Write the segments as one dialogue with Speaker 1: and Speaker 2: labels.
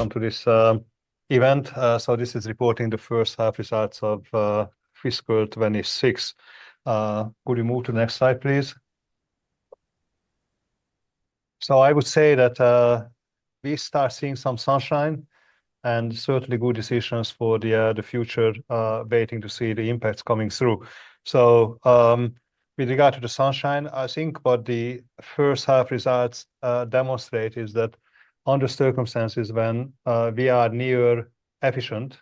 Speaker 1: Come to this event. This is reporting the first half results of fiscal 2026. Could you move to the next slide, please? I would say that we start seeing some sunshine and certainly good decisions for the future, waiting to see the impacts coming through. With regard to the sunshine, I think what the first half results demonstrate is that under circumstances when we are near efficient,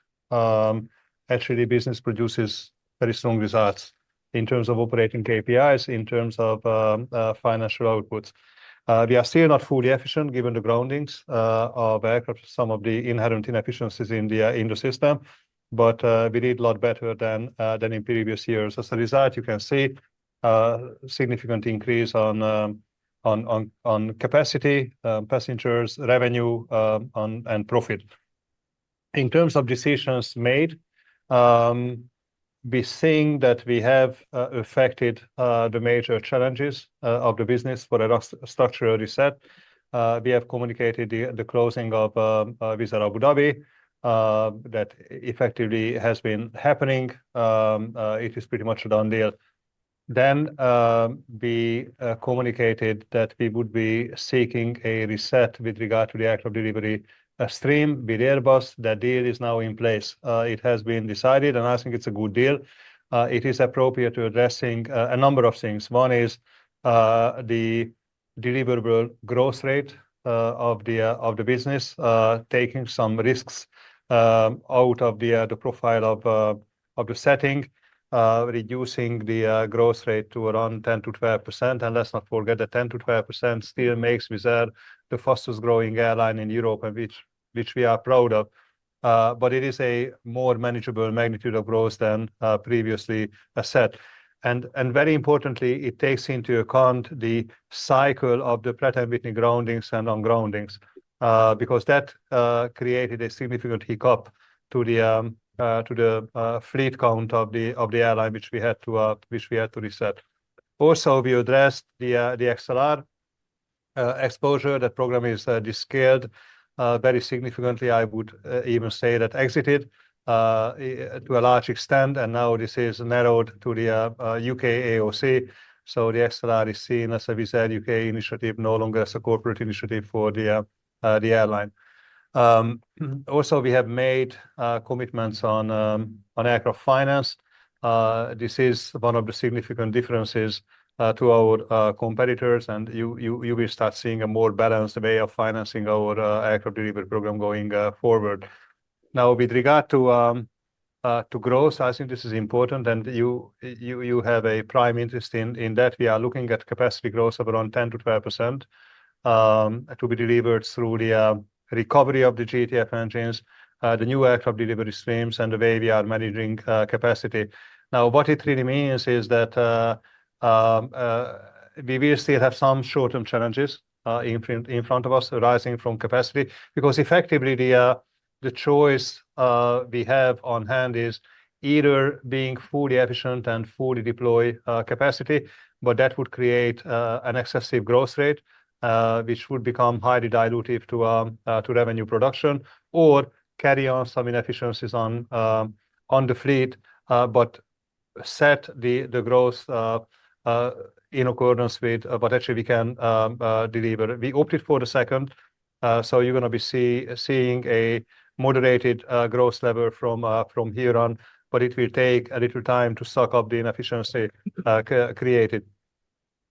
Speaker 1: actually business produces very strong results in terms of operating KPIs, in terms of financial outputs. We are still not fully efficient given the groundings of aircraft, some of the inherent inefficiencies in the industry system, but we did a lot better than in previous years. As a result, you can see significant increase on capacity, passengers, revenue, and profit. In terms of decisions made, we're seeing that we have affected the major challenges of the business for a structural reset. We have communicated the closing of Wizz Air Abu Dhabi, that effectively has been happening. It is pretty much done there. We communicated that we would be seeking a reset with regard to the aircraft delivery stream with Airbus. That deal is now in place. It has been decided, and I think it's a good deal. It is appropriate to addressing a number of things. One is the deliverable growth rate of the business, taking some risks out of the profile of the setting, reducing the growth rate to around 10-12%. Let's not forget that 10-12% still makes Wizz Air the fastest growing airline in Europe, which we are proud of. It is a more manageable magnitude of growth than previously. Very importantly, it takes into account the cycle of the pre-term witness groundings and on groundings, because that created a significant hiccup to the fleet count of the airline, which we had to reset. Also, we addressed the XLR exposure. That program is de-scaled very significantly. I would even say that exited, to a large extent, and now this is narrowed to the U.K. AOC. So the XLR is seen as a Wizz Air U.K. Initiative, no longer as a corporate initiative for the airline. Also, we have made commitments on aircraft finance. This is one of the significant differences to our competitors, and you will start seeing a more balanced way of financing our aircraft delivery program going forward. Now, with regard to growth, I think this is important, and you have a prime interest in that. We are looking at capacity growth of around 10-12%, to be delivered through the recovery of the GTF engines, the new aircraft delivery streams, and the way we are managing capacity. Now, what it really means is that we will still have some short-term challenges in front of us arising from capacity, because effectively the choice we have on hand is either being fully efficient and fully deploy capacity, but that would create an excessive growth rate, which would become highly dilutive to revenue production or carry on some inefficiencies on the fleet, but set the growth in accordance with what actually we can deliver. We opted for the second, so you're going to be seeing a moderated growth level from here on, but it will take a little time to suck up the inefficiency created.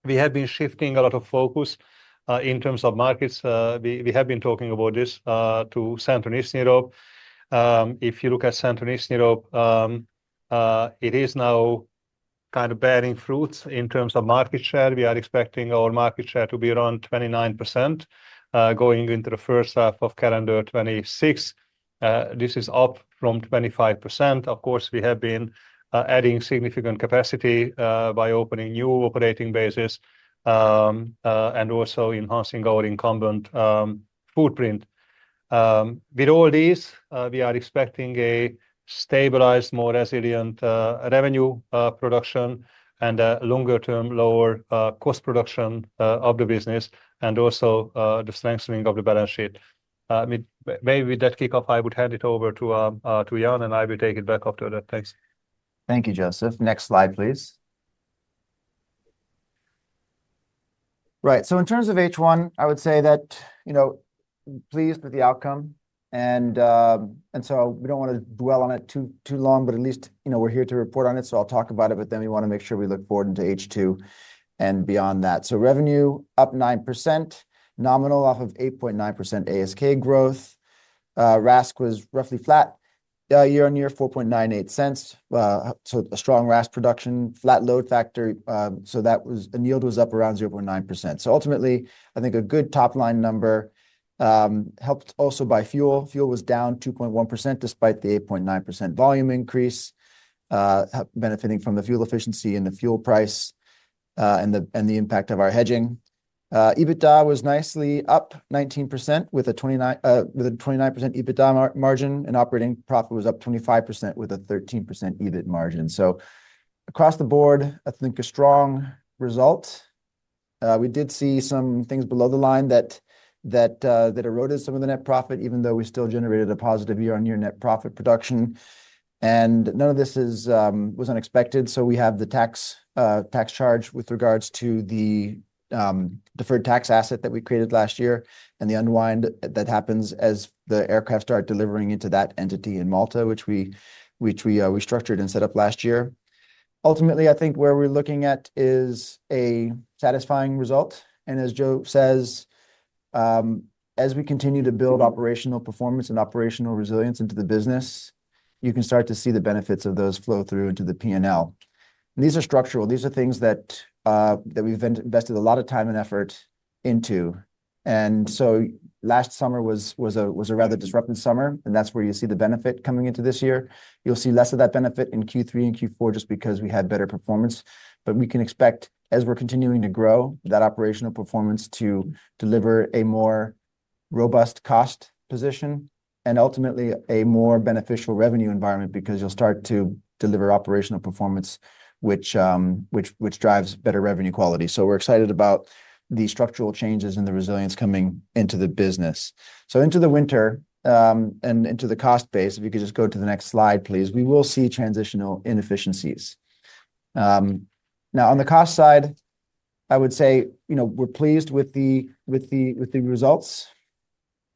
Speaker 1: We have been shifting a lot of focus in terms of markets. We have been talking about this to Central East Europe. If you look at Central East Europe, it is now kind of bearing fruits in terms of market share. We are expecting our market share to be around 29%, going into the first half of calendar 2026. This is up from 25%. Of course, we have been adding significant capacity by opening new operating bases and also enhancing our incumbent footprint. With all these, we are expecting a stabilized, more resilient revenue production and a longer-term lower cost production of the business and also the strengthening of the balance sheet. Maybe with that kickoff, I would hand it over to Ian, and I will take it back after that. Thanks.
Speaker 2: Thank you, József. Next slide, please. Right. In terms of H1, I would say that, you know, pleased with the outcome. And, you know, we do not want to dwell on it too, too long, but at least, you know, we are here to report on it. I will talk about it, but then we want to make sure we look forward into H2 and beyond that. Revenue up 9%, nominal off of 8.9% ASK growth. RASK was roughly flat, year-on-year, 0.0498. A strong RASK production, flat load factor. That was a yield was up around 0.9%. Ultimately, I think a good top line number, helped also by fuel. Fuel was down 2.1% despite the 8.9% volume increase, benefiting from the fuel efficiency and the fuel price, and the impact of our hedging. EBITDA was nicely up 19% with a 29% EBITDA margin. Operating profit was up 25% with a 13% EBIT margin. Across the board, I think a strong result. We did see some things below the line that eroded some of the net profit, even though we still generated a positive year-on-year net profit production. None of this was unexpected. We have the tax charge with regards to the deferred tax asset that we created last year and the unwind that happens as the aircraft start delivering into that entity in Malta, which we structured and set up last year. Ultimately, I think where we're looking at is a satisfying result. As Joe says, as we continue to build operational performance and operational resilience into the business, you can start to see the benefits of those flow through into the P&L. These are structural. These are things that we've invested a lot of time and effort into. Last summer was a rather disruptive summer, and that's where you see the benefit coming into this year. You'll see less of that benefit in Q3 and Q4 just because we had better performance. We can expect, as we're continuing to grow, that operational performance to deliver a more robust cost position and ultimately a more beneficial revenue environment because you'll start to deliver operational performance, which drives better revenue quality. We're excited about the structural changes and the resilience coming into the business. Into the winter, and into the cost base, if you could just go to the next slide, please, we will see transitional inefficiencies. Now on the cost side, I would say, you know, we're pleased with the results.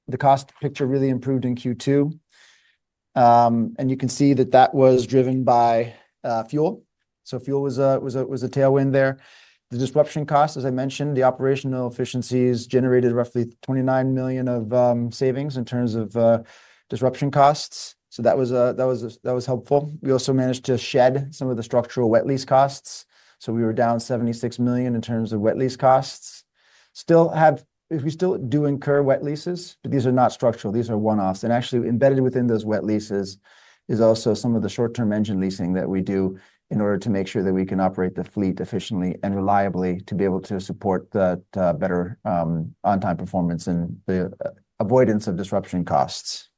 Speaker 2: The cost picture really improved in Q2. You can see that was driven by fuel. Fuel was a tailwind there. The disruption cost, as I mentioned, the operational efficiencies generated roughly 29 million of savings in terms of disruption costs. That was helpful. We also managed to shed some of the structural wet lease costs. We were down 76 million in terms of wet lease costs. We still do incur wet leases, but these are not structural. These are one-offs. Actually, embedded within those wet leases is also some of the short-term engine leasing that we do in order to make sure that we can operate the fleet efficiently and reliably to be able to support better on-time performance and the avoidance of disruption costs.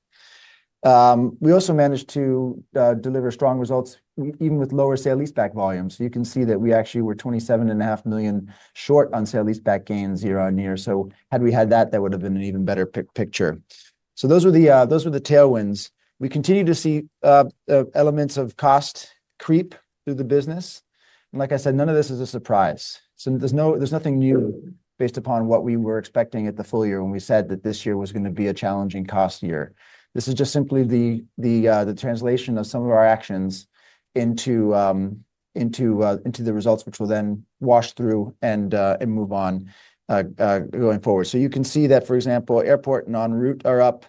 Speaker 2: We also managed to deliver strong results even with lower sale lease back volumes. You can see that we actually were 27.5 million short on sale lease back gains year-on-year. Had we had that, that would have been an even better picture. Those were the tailwinds. We continue to see elements of cost creep through the business. Like I said, none of this is a surprise. There is nothing new based upon what we were expecting at the full year when we said that this year was going to be a challenging cost year. This is just simply the translation of some of our actions into the results, which will then wash through and move on, going forward. You can see that, for example, airport and en route are up.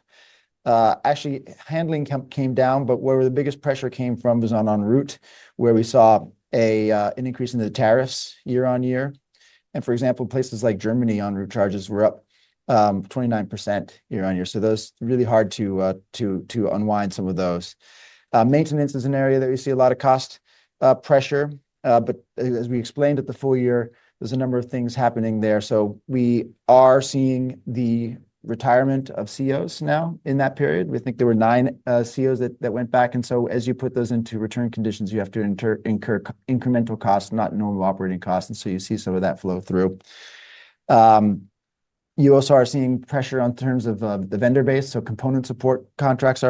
Speaker 2: Actually, handling came down, but where the biggest pressure came from was on en route, where we saw an increase in the tariffs year-on-year. For example, places like Germany, en route charges were up 29% year-on-year. Those are really hard to unwind. Maintenance is an area that we see a lot of cost pressure. As we explained at the full year, there are a number of things happening there. We are seeing the retirement of CEOs now in that period. We think there were nine CEOs that went back. As you put those into return conditions, you have to incur incremental costs, not normal operating costs. You see some of that flow through. You also are seeing pressure in terms of the vendor base. Component support contracts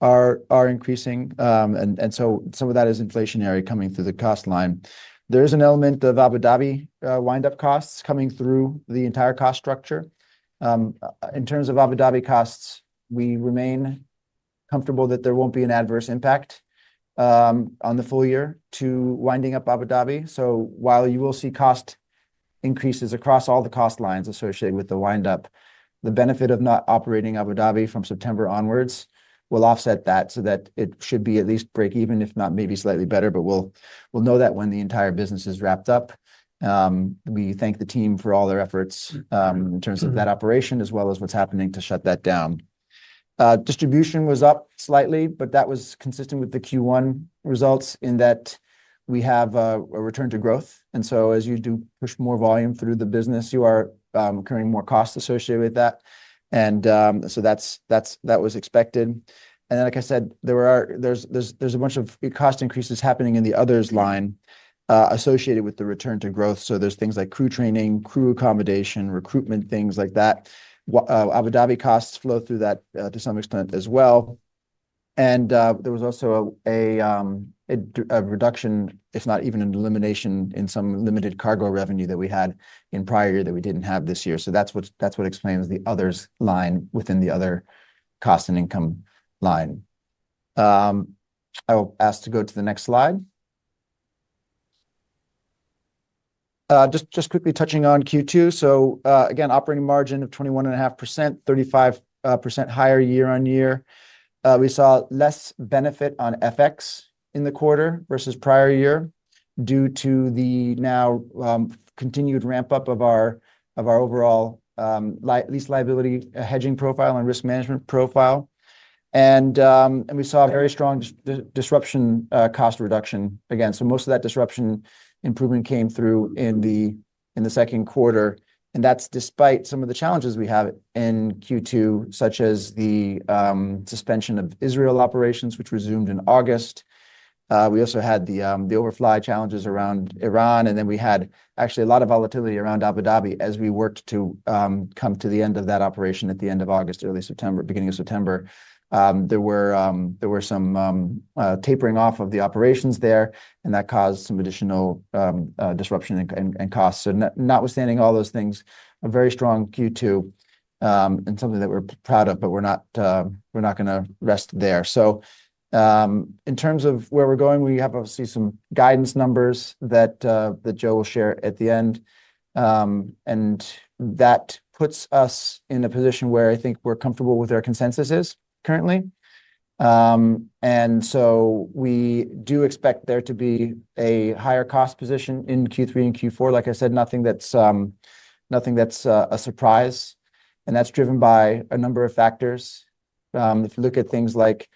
Speaker 2: are increasing. Some of that is inflationary coming through the cost line. There is an element of Abu Dhabi windup costs coming through the entire cost structure. In terms of Abu Dhabi costs, we remain comfortable that there will not be an adverse impact on the full year to winding up Abu Dhabi. While you will see cost increases across all the cost lines associated with the windup, the benefit of not operating Abu Dhabi from September onwards will offset that so that it should be at least break-even, if not maybe slightly better, but we will know that when the entire business is wrapped up. We thank the team for all their efforts in terms of that operation as well as what is happening to shut that down. Distribution was up slightly, but that was consistent with the Q1 results in that we have a return to growth. As you do push more volume through the business, you are incurring more costs associated with that. That was expected. Like I said, there are a bunch of cost increases happening in the others line, associated with the return to growth. There are things like crew training, crew accommodation, recruitment, things like that. Abu Dhabi costs flow through that to some extent as well. There was also a reduction, if not even an elimination, in some limited cargo revenue that we had in the prior year that we did not have this year. That is what explains the others line within the other cost and income line. I'll ask to go to the next slide. Just quickly touching on Q2. Again, operating margin of 21.5%, 35% higher year-on-year. We saw less benefit on FX in the quarter versus prior year due to the now continued ramp up of our overall lease liability hedging profile and risk management profile. We saw a very strong disruption cost reduction again. Most of that disruption improvement came through in the second quarter. That is despite some of the challenges we have in Q2, such as the suspension of Israel operations, which resumed in August. We also had the overfly challenges around Iran. We had actually a lot of volatility around Abu Dhabi as we worked to come to the end of that operation at the end of August, early September, beginning of September. There were some tapering off of the operations there, and that caused some additional disruption and costs. Notwithstanding all those things, a very strong Q2, and something that we're proud of, but we're not going to rest there. In terms of where we're going, we have obviously some guidance numbers that Joe will share at the end. That puts us in a position where I think we're comfortable with our consensus currently. We do expect there to be a higher cost position in Q3 and Q4. Like I said, nothing that's a surprise. That's driven by a number of factors. If you look at things like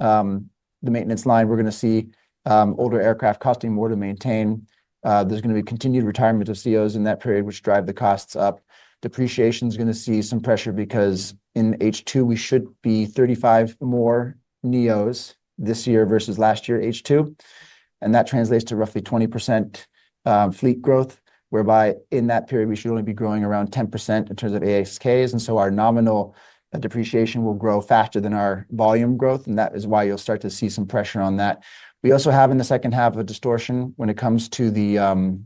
Speaker 2: the maintenance line, we're going to see older aircraft costing more to maintain. There's going to be continued retirement of CEOs in that period, which drive the costs up. Depreciation is going to see some pressure because in H2 we should be 35 more NEOs this year versus last year H2. That translates to roughly 20% fleet growth, whereby in that period we should only be growing around 10% in terms of ASKs. Our nominal depreciation will grow faster than our volume growth. That is why you'll start to see some pressure on that. We also have in the second half a distortion when it comes to the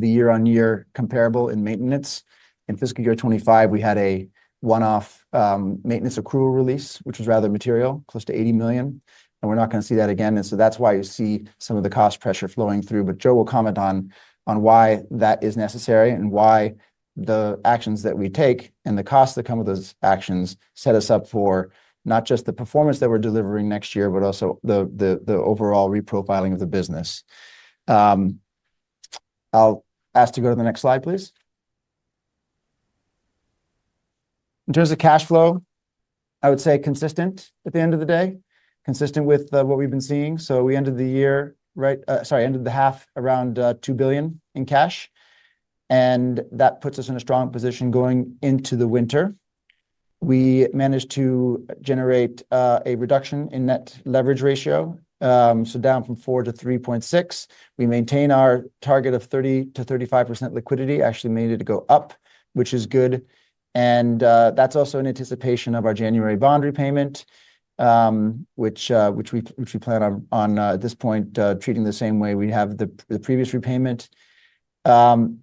Speaker 2: year-on-year comparable in maintenance. In fiscal year 2025, we had a one-off maintenance accrual release, which was rather material, close to 80 million. We're not going to see that again. That is why you see some of the cost pressure flowing through. Joe will comment on why that is necessary and why the actions that we take and the costs that come with those actions set us up for not just the performance that we are delivering next year, but also the overall reprofiling of the business. I will ask to go to the next slide, please. In terms of cash flow, I would say consistent at the end of the day, consistent with what we have been seeing. We ended the year, sorry, ended the half around 2 billion in cash. That puts us in a strong position going into the winter. We managed to generate a reduction in net leverage ratio, so down from 4-3.6. We maintain our target of 30-35% liquidity, actually made it to go up, which is good. That is also in anticipation of our January bond repayment, which we plan on, at this point, treating the same way we have the previous repayment.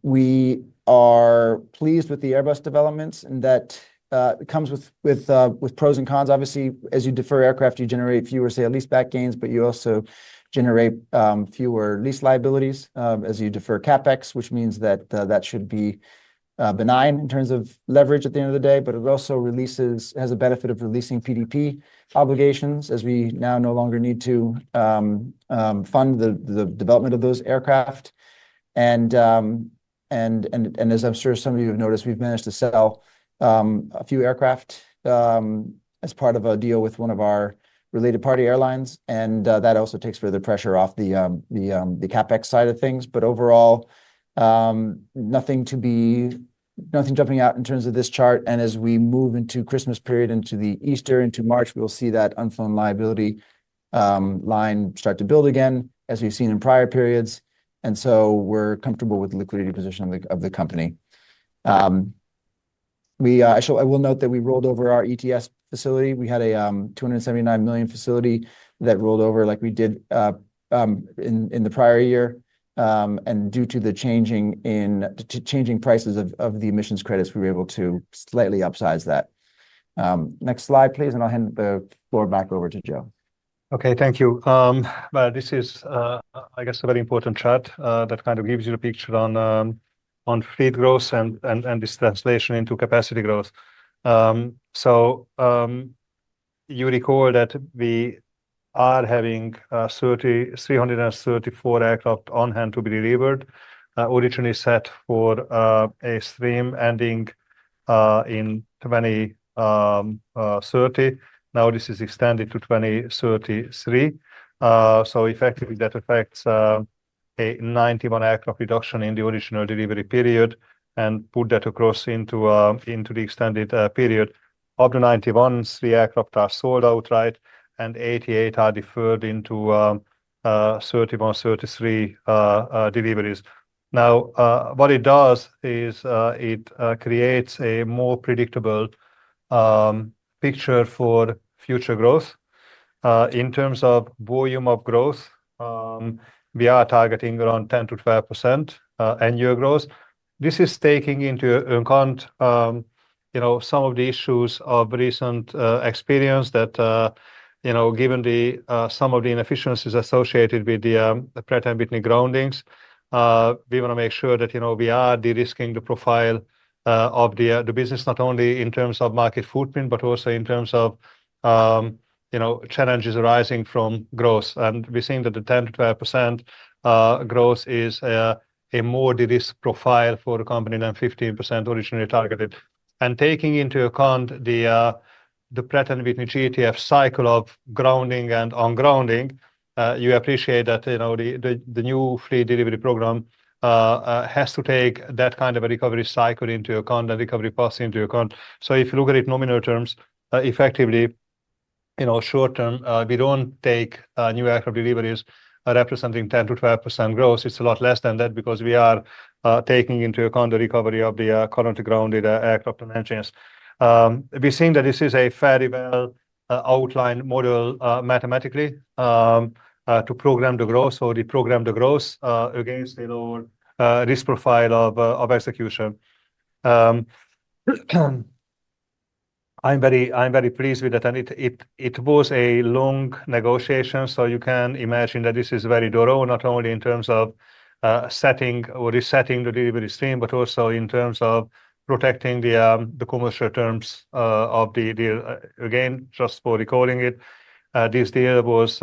Speaker 2: We are pleased with the Airbus developments and that comes with pros and cons. Obviously, as you defer aircraft, you generate fewer, say, at least back gains, but you also generate fewer lease liabilities as you defer CapEx, which means that should be benign in terms of leverage at the end of the day. It also has a benefit of releasing PDP obligations as we now no longer need to fund the development of those aircraft. As I am sure some of you have noticed, we have managed to sell a few aircraft as part of a deal with one of our related party airlines. That also takes further pressure off the CapEx side of things. Overall, nothing jumping out in terms of this chart. As we move into the Christmas period, into Easter, into March, we'll see that unfilled liability line start to build again as we've seen in prior periods. We're comfortable with the liquidity position of the company. I will note that we rolled over our ETS facility. We had a 279 million facility that rolled over like we did in the prior year. Due to the changing prices of the emissions credits, we were able to slightly upsize that. Next slide, please, and I'll hand the floor back over to Joe.
Speaker 1: Okay, thank you. This is, I guess, a very important chart that kind of gives you the picture on fleet growth and this translation into capacity growth. You recall that we are having 334 aircraft on hand to be delivered, originally set for a stream ending in 2030. Now this is extended to 2033. Effectively, that affects a 91 aircraft reduction in the original delivery period and puts that across into the extended period. Of the 91, three aircraft are sold out, right? And 88 are deferred into 2031-2033 deliveries. What it does is, it creates a more predictable picture for future growth. In terms of volume of growth, we are targeting around 10%-12% annual growth. This is taking into account, you know, some of the issues of recent experience that, you know, given the, some of the inefficiencies associated with the Pratt & Whitney groundings, we want to make sure that, you know, we are de-risking the profile of the business, not only in terms of market footprint, but also in terms of, you know, challenges arising from growth. We are seeing that the 10%-12% growth is a more de-risked profile for the company than 15% originally targeted. Taking into account the Pratt & Whitney GTF cycle of grounding and on-grounding, you appreciate that, you know, the new free delivery program has to take that kind of a recovery cycle into account and recovery path into account. If you look at it in nominal terms, effectively, you know, short term, we do not take new aircraft deliveries, representing 10%-12% growth. It is a lot less than that because we are taking into account the recovery of the current grounded aircraft on entrance. We are seeing that this is a fairly well outlined model, mathematically, to program the growth or deprogram the growth against a lower risk profile of execution. I am very pleased with that. It was a long negotiation. You can imagine that this is very thorough, not only in terms of setting or resetting the delivery stream, but also in terms of protecting the commercial terms of the deal. Again, just for recording it, this deal was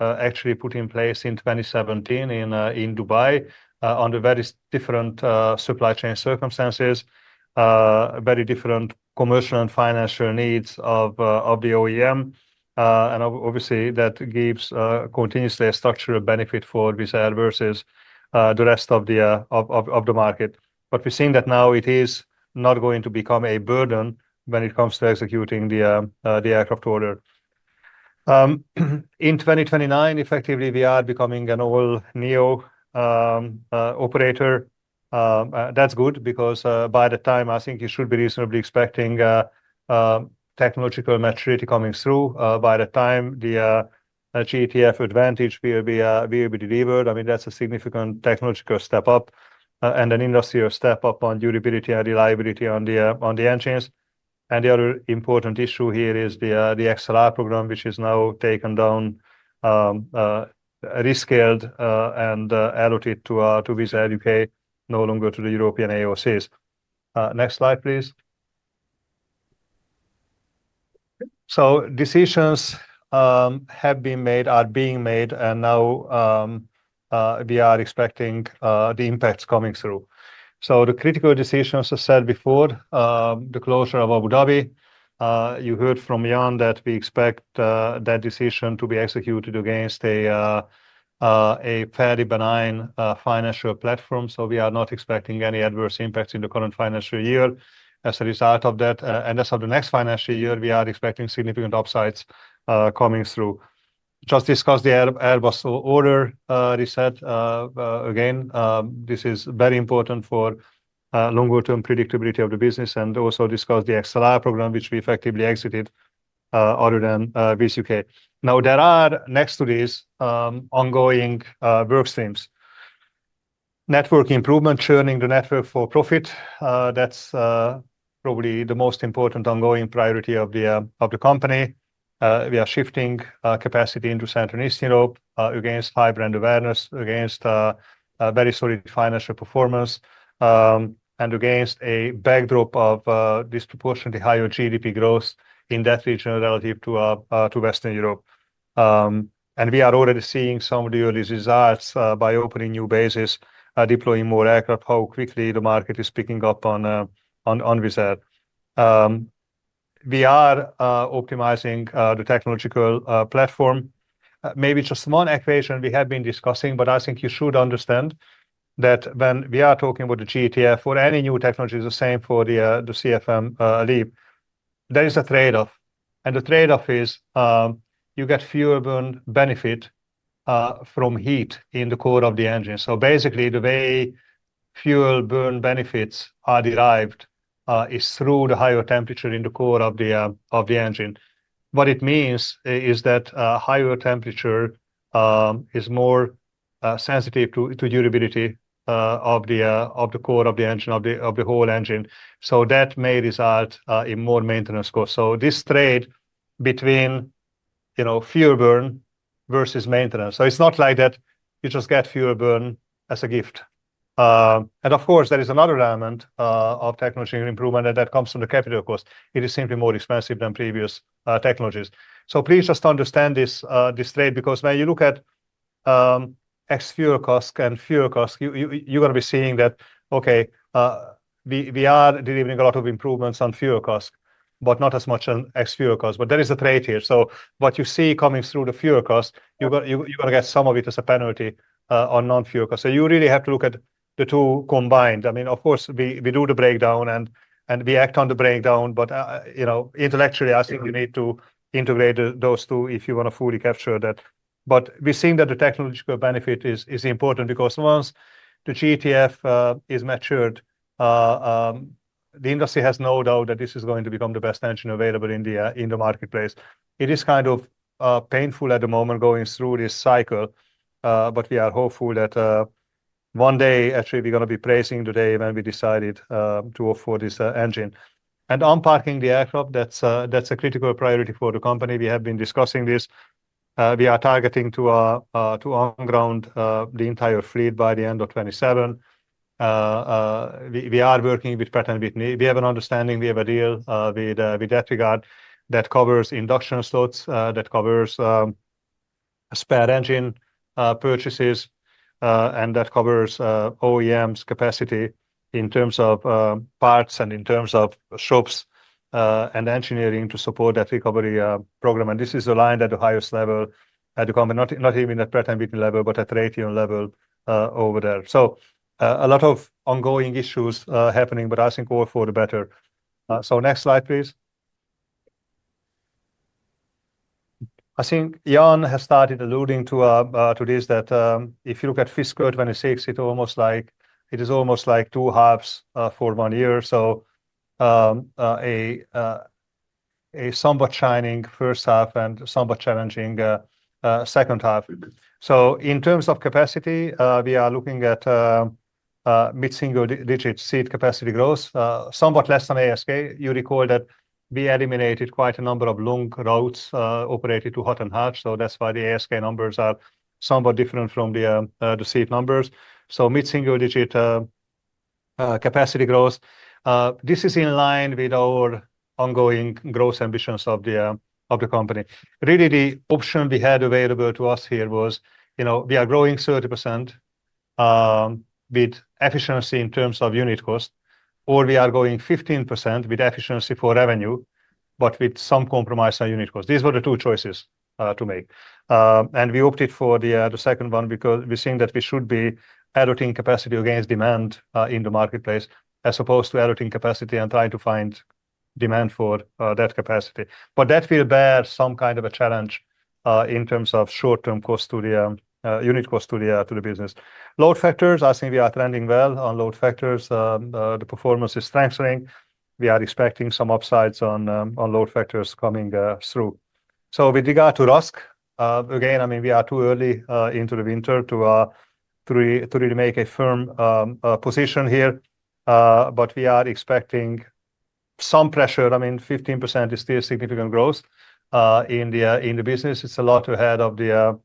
Speaker 1: actually put in place in 2017 in Dubai, under very different supply chain circumstances, very different commercial and financial needs of the OEM. Obviously, that gives continuously a structural benefit for Wizz Air versus the rest of the market. We're seeing that now it is not going to become a burden when it comes to executing the aircraft order. In 2029, effectively we are becoming an all NEO operator. That's good because, by the time, I think you should be reasonably expecting technological maturity coming through, by the time the GTF advantage will be delivered. I mean, that's a significant technological step up, and an industrial step up on durability and reliability on the entrance. The other important issue here is the XLR program, which is now taken down, rescaled, and allocated to Wizz Air U.K., no longer to the European AOCs. Next slide, please. Decisions have been made, are being made, and now we are expecting the impacts coming through. The critical decisions I said before, the closure of Abu Dhabi, you heard from Ian that we expect that decision to be executed against a fairly benign financial platform. We are not expecting any adverse impacts in the current financial year as a result of that. As of the next financial year, we are expecting significant upsides coming through. Just discussed the Airbus order reset again. This is very important for longer term predictability of the business and also discussed the XLR program, which we effectively exited, other than Wizz Air U.K. Now there are, next to this, ongoing work streams. Network improvement, churning the network for profit. That's probably the most important ongoing priority of the company. We are shifting capacity into Central East Europe, against high brand awareness, against very solid financial performance, and against a backdrop of disproportionately higher GDP growth in that region relative to Western Europe. We are already seeing some of the early results by opening new bases, deploying more aircraft, how quickly the market is picking up on Wizz Air. We are optimizing the technological platform. Maybe just one equation we have been discussing, but I think you should understand that when we are talking about the GTF or any new technology, it's the same for the CFM LEAP. There is a trade-off, and the trade-off is, you get fuel burn benefit from heat in the core of the engine. Basically, the way fuel burn benefits are derived is through the higher temperature in the core of the engine. What it means is that higher temperature is more sensitive to durability of the core of the engine, of the whole engine. That may result in more maintenance costs. This trade between, you know, fuel burn versus maintenance. It's not like you just get fuel burn as a gift. Of course, there is another element of technology improvement, and that comes from the capital cost. It is simply more expensive than previous technologies. Please just understand this trade, because when you look at ex-fuel costs and fuel costs, you're going to be seeing that, okay, we are delivering a lot of improvements on fuel costs, but not as much on ex-fuel costs. There is a trade here. What you see coming through the fuel costs, you're going to get some of it as a penalty on non-fuel costs. You really have to look at the two combined. I mean, of course we do the breakdown and we act on the breakdown, but, you know, intellectually I think we need to integrate those two if you want to fully capture that. We're seeing that the technological benefit is important because once the GTF is matured, the industry has no doubt that this is going to become the best engine available in the marketplace. It is kind of painful at the moment going through this cycle, but we are hopeful that one day actually we're going to be praising the day when we decided to offer this engine. And unparking the aircraft, that's a critical priority for the company. We have been discussing this. We are targeting to on-ground the entire fleet by the end of 2027. We are working with Pratt & Whitney. We have an understanding, we have a deal with that regard that covers induction slots, that covers spare engine purchases, and that covers OEM's capacity in terms of parts and in terms of shops and engineering to support that recovery program. This is the line at the highest level at the company, not even at Pratt & Whitney level, but at Raytheon level over there. A lot of ongoing issues happening, but I think all for the better. Next slide, please. I think Ian has started alluding to this, that if you look at fiscal 2026, it is almost like two halves for one year. A somewhat shining first half and somewhat challenging second half. In terms of capacity, we are looking at mid-single digit seat capacity growth, somewhat less than ASK. You recall that we eliminated quite a number of long routes, operated to hot and hot. That is why the ASK numbers are somewhat different from the seat numbers. Mid-single digit capacity growth, this is in line with our ongoing growth ambitions of the company. Really, the option we had available to us here was, you know, we are growing 30% with efficiency in terms of unit cost, or we are going 15% with efficiency for revenue, but with some compromise on unit cost. These were the two choices to make. We opted for the second one because we are seeing that we should be alloting capacity against demand in the marketplace as opposed to alloting capacity and trying to find demand for that capacity. That will bear some kind of a challenge, in terms of short-term cost to the unit cost to the business. Load factors, I think we are trending well on load factors. The performance is strengthening. We are expecting some upsides on load factors coming through. With regard to risk, again, I mean, we are too early into the winter to really make a firm position here. We are expecting some pressure. I mean, 15% is still significant growth in the business. It is a lot ahead of the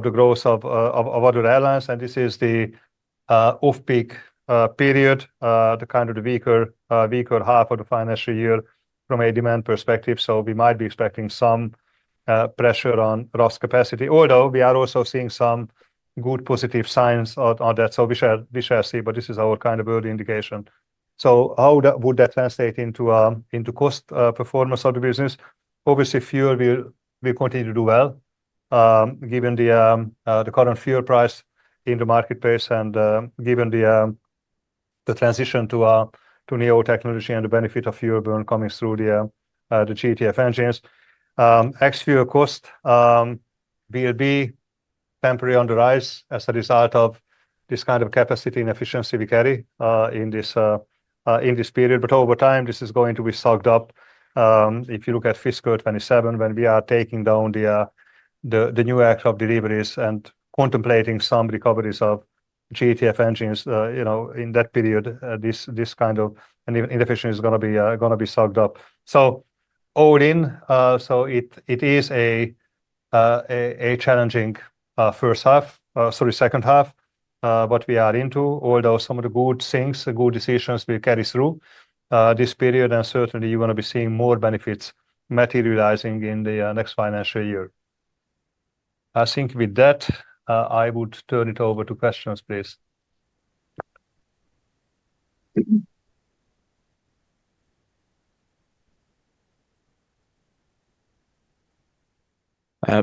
Speaker 1: growth of other airlines. This is the off-peak period, the kind of the weaker half of the financial year from a demand perspective. We might be expecting some pressure on RASK, although we are also seeing some good positive signs on that. We shall see, but this is our kind of early indication. How would that translate into cost, performance of the business? Obviously, fuel will continue to do well, given the current fuel price in the marketplace and given the transition to NEO technology and the benefit of fuel burn coming through the GTF engines. Ex-fuel cost will be temporarily on the rise as a result of this kind of capacity and efficiency we carry in this period. Over time, this is going to be socked up. If you look at fiscal 2027, when we are taking down the new aircraft deliveries and contemplating some recoveries of GTF engines, in that period, this kind of inefficiency is going to be socked up. All in, it is a challenging first half, sorry, second half, what we are into, although some of the good things, the good decisions we carry through this period, and certainly you are going to be seeing more benefits materializing in the next financial year. I think with that, I would turn it over to questions, please.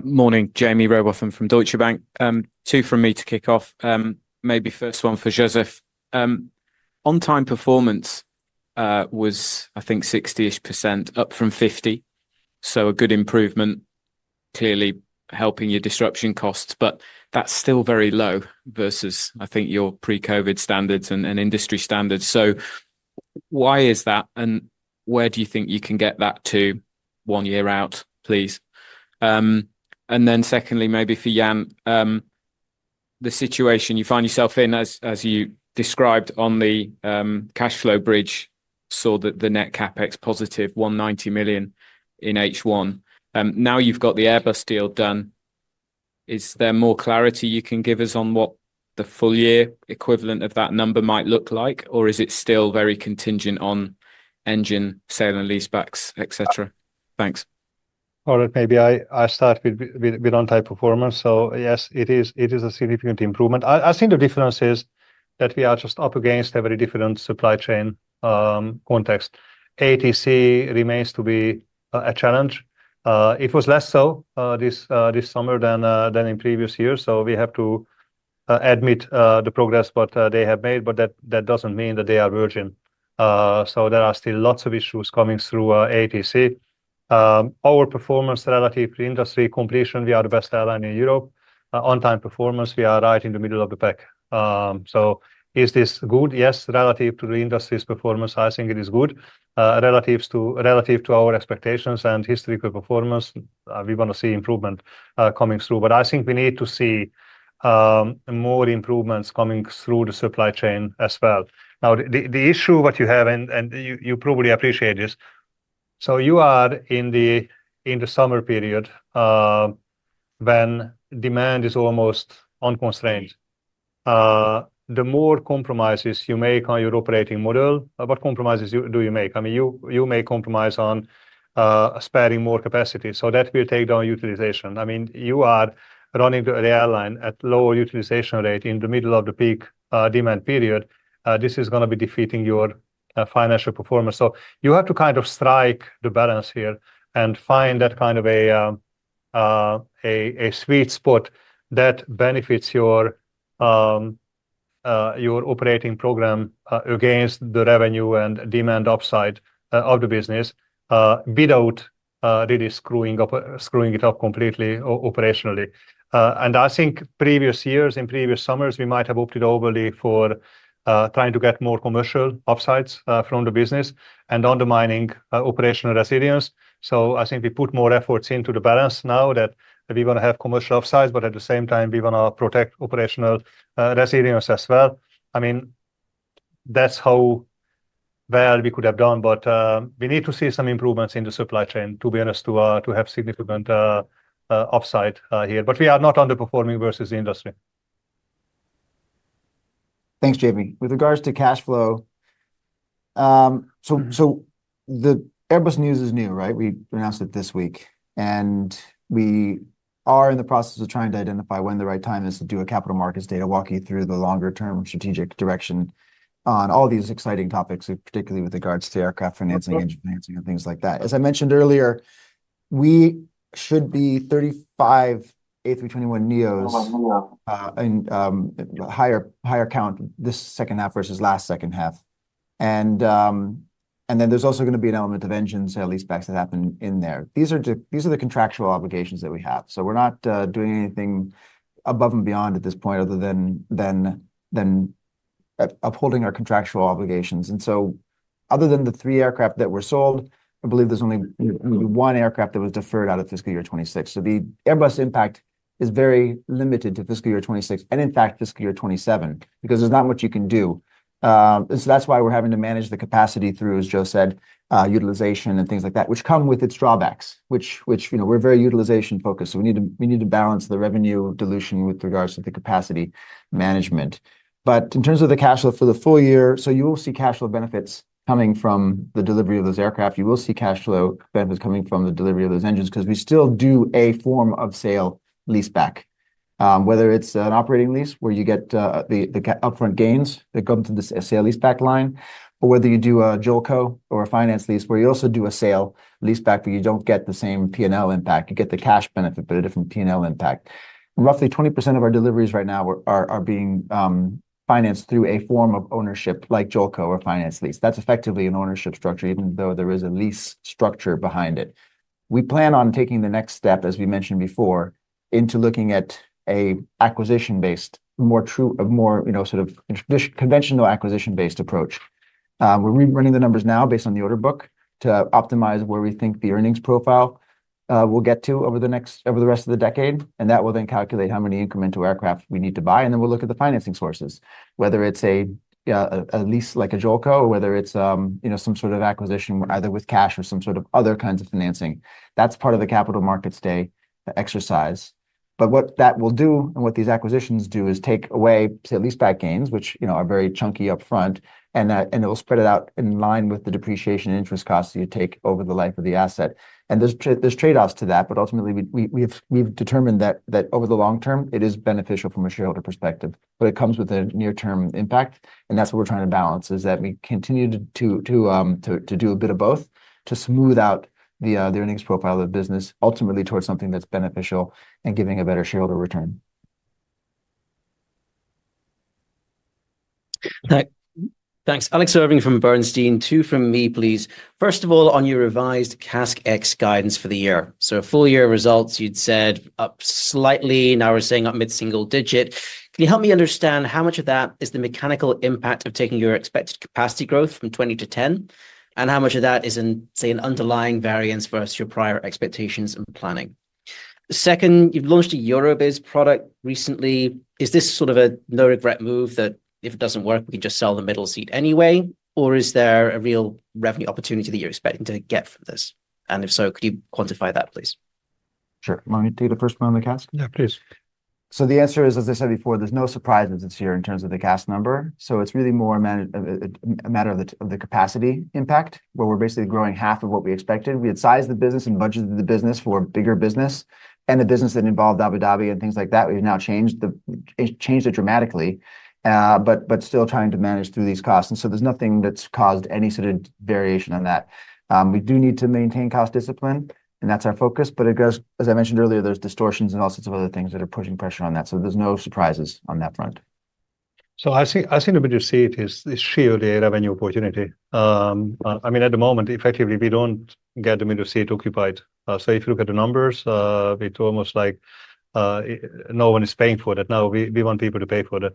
Speaker 3: Morning, Jaime Rowbotham from Deutsche Bank. Two from me to kick off. Maybe first one for József. On-time performance was, I think, 60%-ish, up from 50%. So a good improvement, clearly helping your disruption costs, but that is still very low versus, I think, your pre-COVID standards and industry standards. Why is that? And where do you think you can get that to one year out, please? And then secondly, maybe for Ian, the situation you find yourself in, as you described on the cash flow bridge, saw that the net CapEx positive 190 million in H1. Now you've got the Airbus deal done. Is there more clarity you can give us on what the full year equivalent of that number might look like, or is it still very contingent on engine sale and lease backs, et cetera? Thanks.
Speaker 1: All right, maybe I start with on-time performance. Yes, it is a significant improvement. I think the difference is that we are just up against a very different supply chain context. ATC remains to be a challenge. It was less so this summer than in previous years. We have to admit the progress they have made, but that does not mean that they are virgin. There are still lots of issues coming through, ATC. Our performance relative to industry completion, we are the best airline in Europe. On-time performance, we are right in the middle of the pack. Is this good? Yes, relative to the industry's performance, I think it is good, relative to our expectations and historical performance. We want to see improvement coming through, but I think we need to see more improvements coming through the supply chain as well. Now, the issue that you have, and you probably appreciate this. You are in the summer period, when demand is almost unconstrained. The more compromises you make on your operating model, what compromises do you make? I mean, you may compromise on sparing more capacity so that will take down utilization. I mean, you are running the airline at lower utilization rate in the middle of the peak demand period. This is going to be defeating your financial performance. You have to kind of strike the balance here and find that kind of a sweet spot that benefits your operating program against the revenue and demand upside of the business, without really screwing it up completely operationally. I think previous years, in previous summers, we might have opted overly for trying to get more commercial upsides from the business and undermining operational resilience. I think we put more efforts into the balance now that we want to have commercial upsides, but at the same time, we want to protect operational resilience as well. I mean, that's how well we could have done, but we need to see some improvements in the supply chain, to be honest, to have significant upside here. We are not underperforming versus the industry.
Speaker 2: Thanks, Jaime. With regards to cash flow, the Airbus news is new, right? We announced it this week, and we are in the process of trying to identify when the right time is to do a capital markets data, walk you through the longer-term strategic direction on all these exciting topics, particularly with regards to aircraft financing, engine financing, and things like that. As I mentioned earlier, we should be 35 A321neos in higher count this second half versus last second half. There is also going to be an element of engine sale lease backs that happen in there. These are the contractual obligations that we have. We are not doing anything above and beyond at this point other than upholding our contractual obligations. Other than the three aircraft that were sold, I believe there is only one aircraft that was deferred out of fiscal year 2026. The Airbus impact is very limited to fiscal year 2026 and in fact fiscal year 2027 because there is not much you can do. That is why we are having to manage the capacity through, as Joe said, utilization and things like that, which come with its drawbacks, which, you know, we are very utilization focused. We need to balance the revenue dilution with regards to the capacity management. In terms of the cash flow for the full year, you will see cash flow benefits coming from the delivery of those aircraft. You will see cash flow benefits coming from the delivery of those engines because we still do a form of sale lease back, whether it's an operating lease where you get the upfront gains that come through the sale lease back line, or whether you do a JOLCO or a finance lease where you also do a sale lease back, but you do not get the same P&L impact. You get the cash benefit, but a different P&L impact. Roughly 20% of our deliveries right now are being financed through a form of ownership like JOLCO or finance lease. That is effectively an ownership structure, even though there is a lease structure behind it. We plan on taking the next step, as we mentioned before, into looking at an acquisition-based, more true, more, you know, sort of conventional acquisition-based approach. We're rerunning the numbers now based on the order book to optimize where we think the earnings profile will get to over the rest of the decade, and that will then calculate how many incremental aircraft we need to buy. Then we'll look at the financing sources, whether it's a lease like a JOLCO, or whether it's, you know, some sort of acquisition either with cash or some sort of other kinds of financing. That's part of the capital markets day exercise. What that will do and what these acquisitions do is take away sale lease back gains, which, you know, are very chunky upfront, and it'll spread it out in line with the depreciation and interest costs you take over the life of the asset. There are trade-offs to that, but ultimately we have determined that over the long term, it is beneficial from a shareholder perspective, but it comes with a near-term impact. That's what we're trying to balance, that we continue to do a bit of both to smooth out the earnings profile of the business ultimately towards something that's beneficial and giving a better shareholder return.
Speaker 4: Thanks, Alex Irving from Bernstein. Two from me, please. First of all, on your revised CASK X guidance for the year. Full year results, you'd said up slightly, now we're saying up mid-single digit. Can you help me understand how much of that is the mechanical impact of taking your expected capacity growth from 20-10, and how much of that is an, say, an underlying variance versus your prior expectations and planning? Second, you've launched a Eurobiz product recently. Is this sort of a no-regret move that if it doesn't work, we can just sell the middle seat anyway, or is there a real revenue opportunity that you're expecting to get from this? If so, could you quantify that, please?
Speaker 2: Sure. Let me take the first one on the CASK?
Speaker 1: Yeah, please.
Speaker 2: The answer is, as I said before, there's no surprises this year in terms of the CASK number. It is really more a matter of the capacity impact where we are basically growing half of what we expected. We had sized the business and budgeted the business for a bigger business and the business that involved Abu Dhabi and things like that. We have now changed it dramatically, but still trying to manage through these costs. There is nothing that has caused any sort of variation on that. We do need to maintain cost discipline, and that is our focus. It goes, as I mentioned earlier, there are distortions and all sorts of other things that are pushing pressure on that. There are no surprises on that front.
Speaker 1: I think the middle seat is sheer revenue opportunity. I mean, at the moment, effectively, we do not get the middle seat occupied. If you look at the numbers, it's almost like no one is paying for that. Now, we want people to pay for that.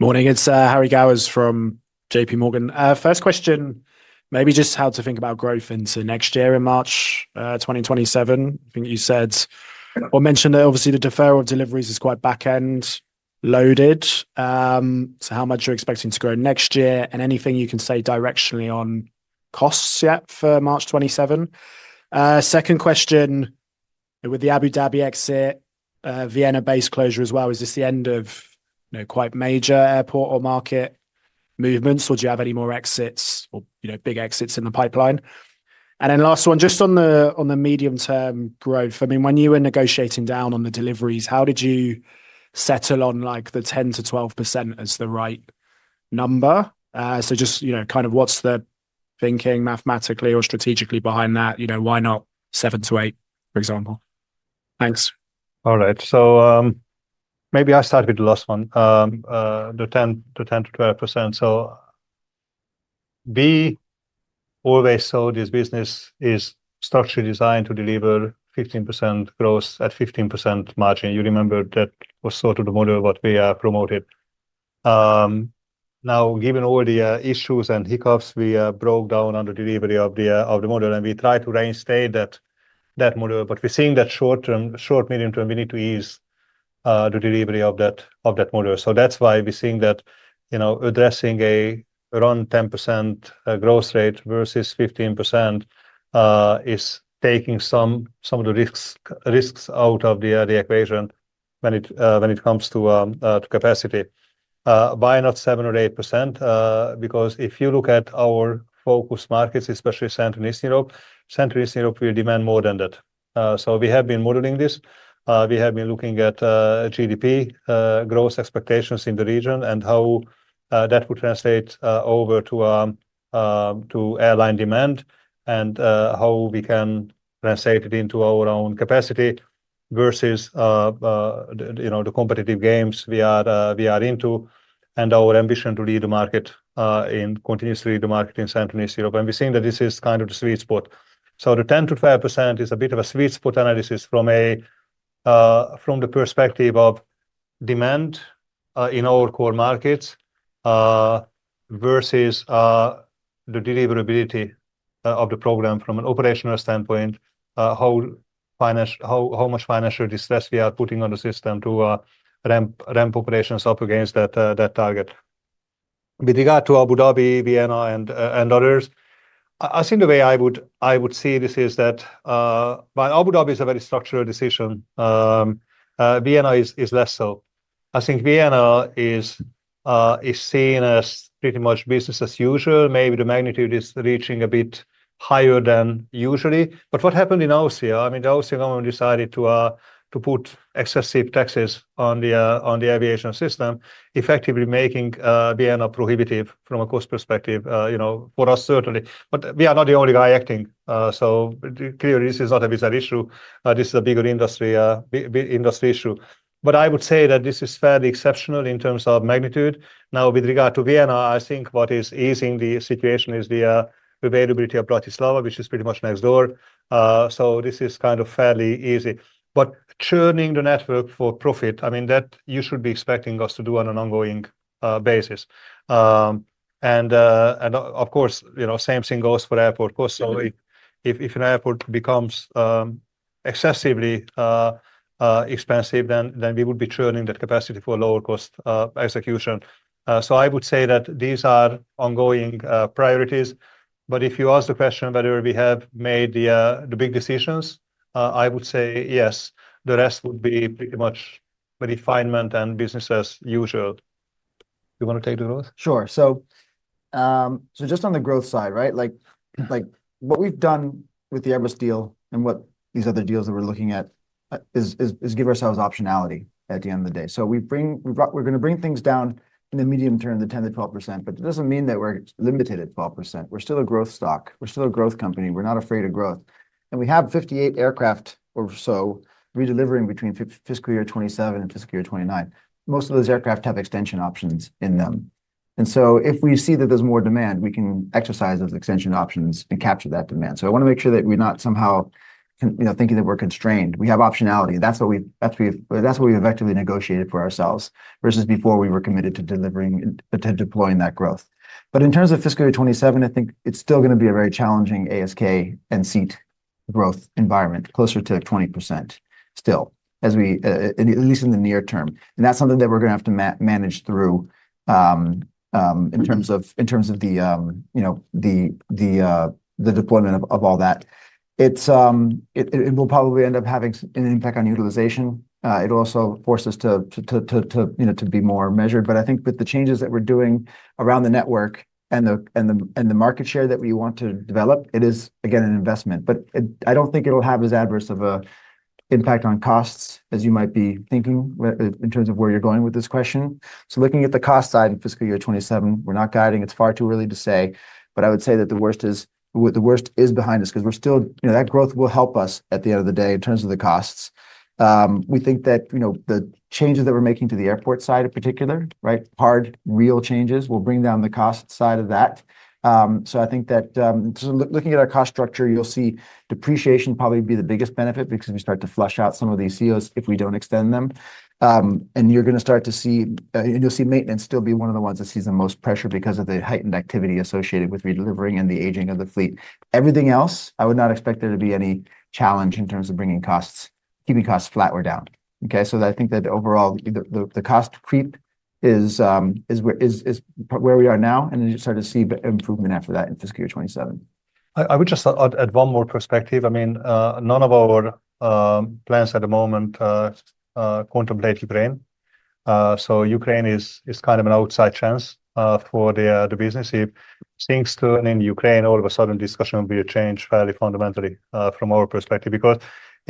Speaker 5: Morning, it's Harry Gowers from JPMorgan. First question, maybe just how to think about growth into next year in March 2027. I think you said, or mentioned, that obviously the deferral of deliveries is quite back-end loaded. How much are you expecting to grow next year and anything you can say directionally on costs yet for March 2027? Second question, with the Abu Dhabi exit, Vienna-based closure as well, is this the end of, you know, quite major airport or market movements, or do you have any more exits or, you know, big exits in the pipeline? And then last one, just on the, on the medium-term growth, I mean, when you were negotiating down on the deliveries, how did you settle on like the 10%-12% as the right number? So just, you know, kind of what's the thinking mathematically or strategically behind that, you know, why not 7%-8%, for example? Thanks.
Speaker 1: All right. So, maybe I start with the last one, the 10%-12%. So we always saw this business is structurally designed to deliver 15% growth at 15% margin. You remember that was sort of the model of what we promoted. Now given all the issues and hiccups, we broke down on the delivery of the, of the model, and we tried to reinstate that, that model, but we're seeing that short term, short-medium term, we need to ease, the delivery of that, of that model. That is why we are seeing that, you know, addressing around a 10% growth rate versus 15% is taking some of the risks out of the equation when it comes to capacity. Why not 7% or 8%? Because if you look at our focus markets, especially Central East Europe, Central East Europe will demand more than that. We have been modeling this. We have been looking at GDP growth expectations in the region and how that would translate over to airline demand and how we can translate it into our own capacity versus, you know, the competitive games we are into and our ambition to continuously lead the market in Central East Europe. We are seeing that this is kind of the sweet spot. The 10%-12% is a bit of a sweet spot analysis from the perspective of demand in our core markets, versus the deliverability of the program from an operational standpoint, how much financial distress we are putting on the system to ramp operations up against that target. With regard to Abu Dhabi, Vienna, and others, I think the way I would see this is that, while Abu Dhabi is a very structural decision, Vienna is less so. I think Vienna is seen as pretty much business as usual. Maybe the magnitude is reaching a bit higher than usually. I mean, the Austrian government decided to put excessive taxes on the aviation system, effectively making Vienna prohibitive from a cost perspective, you know, for us certainly. We are not the only guy acting. Clearly, this is not a visa issue. This is a bigger industry issue. I would say that this is fairly exceptional in terms of magnitude. Now, with regard to Vienna, I think what is easing the situation is the availability of Bratislava, which is pretty much next door. This is kind of fairly easy. Churning the network for profit, I mean, you should be expecting us to do that on an ongoing basis. Of course, you know, the same thing goes for airport costs. If an airport becomes excessively expensive, then we would be churning that capacity for lower cost execution. I would say that these are ongoing priorities. If you ask the question whether we have made the big decisions, I would say yes. The rest would be pretty much the refinement and business as usual. Do you want to take the growth?
Speaker 2: Sure. Just on the growth side, right? Like what we've done with the Airbus deal and what these other deals that we're looking at is give ourselves optionality at the end of the day. We bring, we're going to bring things down in the medium term, the 10%-12%, but it doesn't mean that we're limited at 12%. We're still a growth stock. We're still a growth company. We're not afraid of growth. We have 58 aircraft or so redelivering between fiscal year 2027 and fiscal year 2029. Most of those aircraft have extension options in them. If we see that there's more demand, we can exercise those extension options and capture that demand. I want to make sure that we're not somehow, you know, thinking that we're constrained. We have optionality. That's what we've effectively negotiated for ourselves versus before we were committed to deploying that growth. In terms of fiscal year 2027, I think it's still going to be a very challenging ASK and seat growth environment, closer to 20% still, at least in the near term. That's something that we're going to have to manage through, in terms of the deployment of all that. It will probably end up having an impact on utilization. It'll also force us to, you know, be more measured. I think with the changes that we're doing around the network and the market share that we want to develop, it is again an investment, but I don't think it'll have as adverse of an impact on costs as you might be thinking in terms of where you're going with this question. Looking at the cost side of fiscal year 2027, we're not guiding. It's far too early to say, but I would say that the worst is behind us because we're still, you know, that growth will help us at the end of the day in terms of the costs. We think that, you know, the changes that we're making to the airport side in particular, right, hard, real changes will bring down the cost side of that. I think that, so looking at our cost structure, you'll see depreciation probably be the biggest benefit because we start to flush out some of these seals if we don't extend them. You're going to start to see, and you'll see maintenance still be one of the ones that sees the most pressure because of the heightened activity associated with redelivering and the aging of the fleet. Everything else, I would not expect there to be any challenge in terms of bringing costs, keeping costs flat or down. Okay. I think that overall the cost creep is where we are now, and then you start to see improvement after that in fiscal year 2027.
Speaker 1: I would just add one more perspective. I mean, none of our plans at the moment contemplate Ukraine. Ukraine is kind of an outside chance for the business. If things turn in Ukraine, all of a sudden discussion will be changed fairly fundamentally from our perspective because, you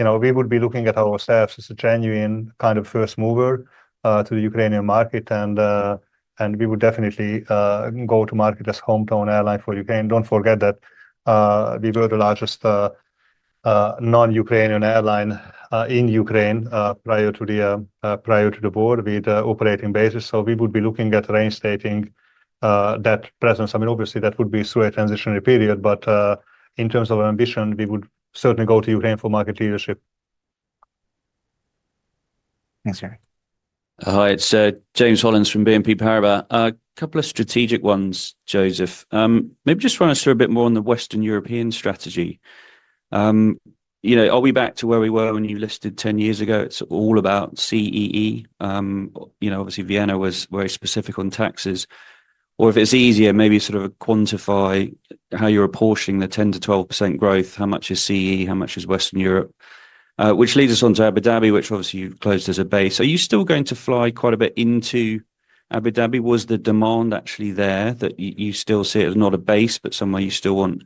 Speaker 1: know, we would be looking at ourselves as a genuine kind of first mover to the Ukrainian market. We would definitely go to market as a hometown airline for Ukraine. Don't forget that we were the largest non-Ukrainian airline in Ukraine prior to the war with the operating basis. We would be looking at reinstating that presence. I mean, obviously that would be through a transitionary period, but, in terms of ambition, we would certainly go to Ukraine for market leadership. Thanks.
Speaker 6: All right. So, James Hollins from BNP Paribas. A couple of strategic ones, József. Maybe just run us through a bit more on the Western European strategy. You know, are we back to where we were when you listed 10 years ago? It's all about CEE. You know, obviously Vienna was very specific on taxes. Or if it's easier, maybe sort of quantify how you're apportioning the 10%-12% growth, how much is CEE, how much is Western Europe, which leads us on to Abu Dhabi, which obviously you've closed as a base. Are you still going to fly quite a bit into Abu Dhabi? Was the demand actually there that you still see it as not a base, but somewhere you still want,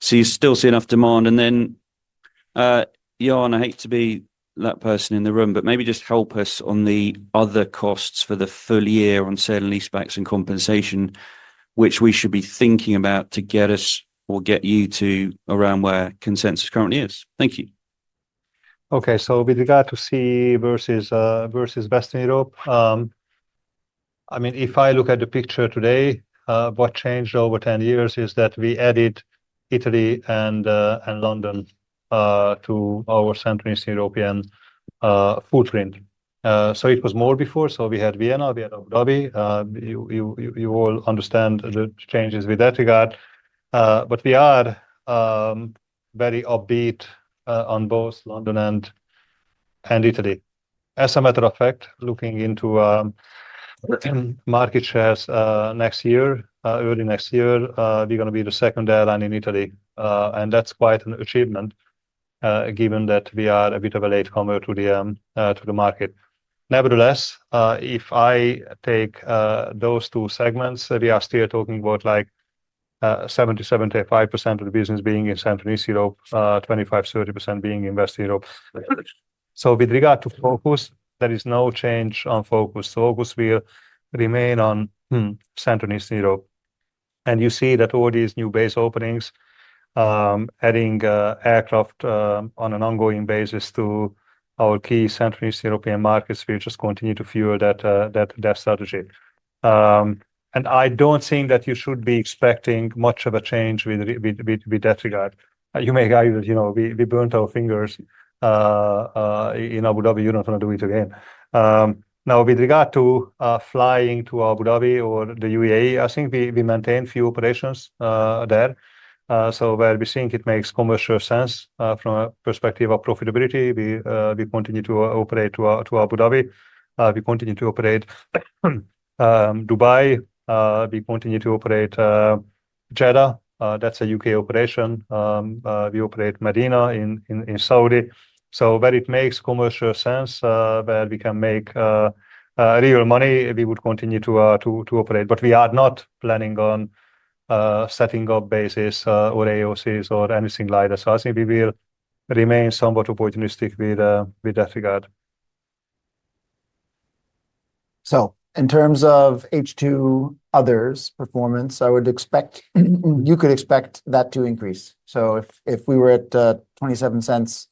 Speaker 6: so you still see enough demand? And then, Ian, I hate to be that person in the room, but maybe just help us on the other costs for the full year on sale and lease backs and compensation, which we should be thinking about to get us or get you to around where consensus currently is. Thank you.
Speaker 1: Okay. With regard to CEE versus Western Europe, I mean, if I look at the picture today, what changed over 10 years is that we added Italy and London to our Central East European footprint. It was more before. We had Vienna, we had Abu Dhabi. You all understand the changes with that regard. We are very upbeat on both London and Italy. As a matter of fact, looking into market shares, next year, early next year, we're going to be the second airline in Italy. That's quite an achievement, given that we are a bit of a late comer to the market. Nevertheless, if I take those two segments, we are still talking about 70%-75% of the business being in Central East Europe, 25%-30% being in Western Europe. With regard to focus, there is no change on focus. Focus will remain on Central East Europe. You see that all these new base openings, adding aircraft on an ongoing basis to our key Central East European markets, will just continue to fuel that strategy. I don't think that you should be expecting much of a change with that regard. You may argue that, you know, we burnt our fingers in Abu Dhabi. You do not want to do it again. Now with regard to flying to Abu Dhabi or the UAE, I think we maintain few operations there. Where we think it makes commercial sense, from a perspective of profitability, we continue to operate to Abu Dhabi. We continue to operate Dubai. We continue to operate Jeddah. That is a U.K. operation. We operate Medina in Saudi. Where it makes commercial sense, where we can make real money, we would continue to operate. We are not planning on setting up bases, or AOCs, or anything like that. I think we will remain somewhat opportunistic with that regard.
Speaker 2: In terms of H2 others performance, I would expect you could expect that to increase. If we were at 0.27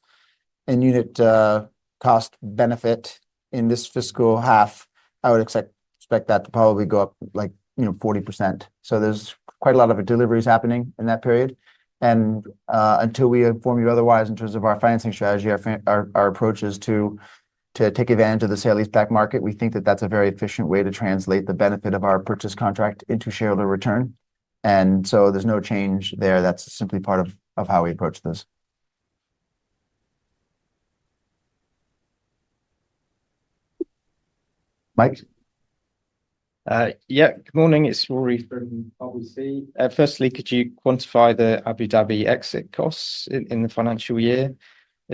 Speaker 2: in unit cost benefit in this fiscal half, I would expect that to probably go up like, you know, 40%. There is quite a lot of deliveries happening in that period. Until we inform you otherwise in terms of our financing strategy, our approach is to take advantage of the sale lease back market. We think that is a very efficient way to translate the benefit of our purchase contract into shareholder return. There is no change there. That is simply part of how we approach this.
Speaker 7: Hi, good morning. It is Ruairi from RBC. Firstly, could you quantify the Abu Dhabi exit costs in the financial year?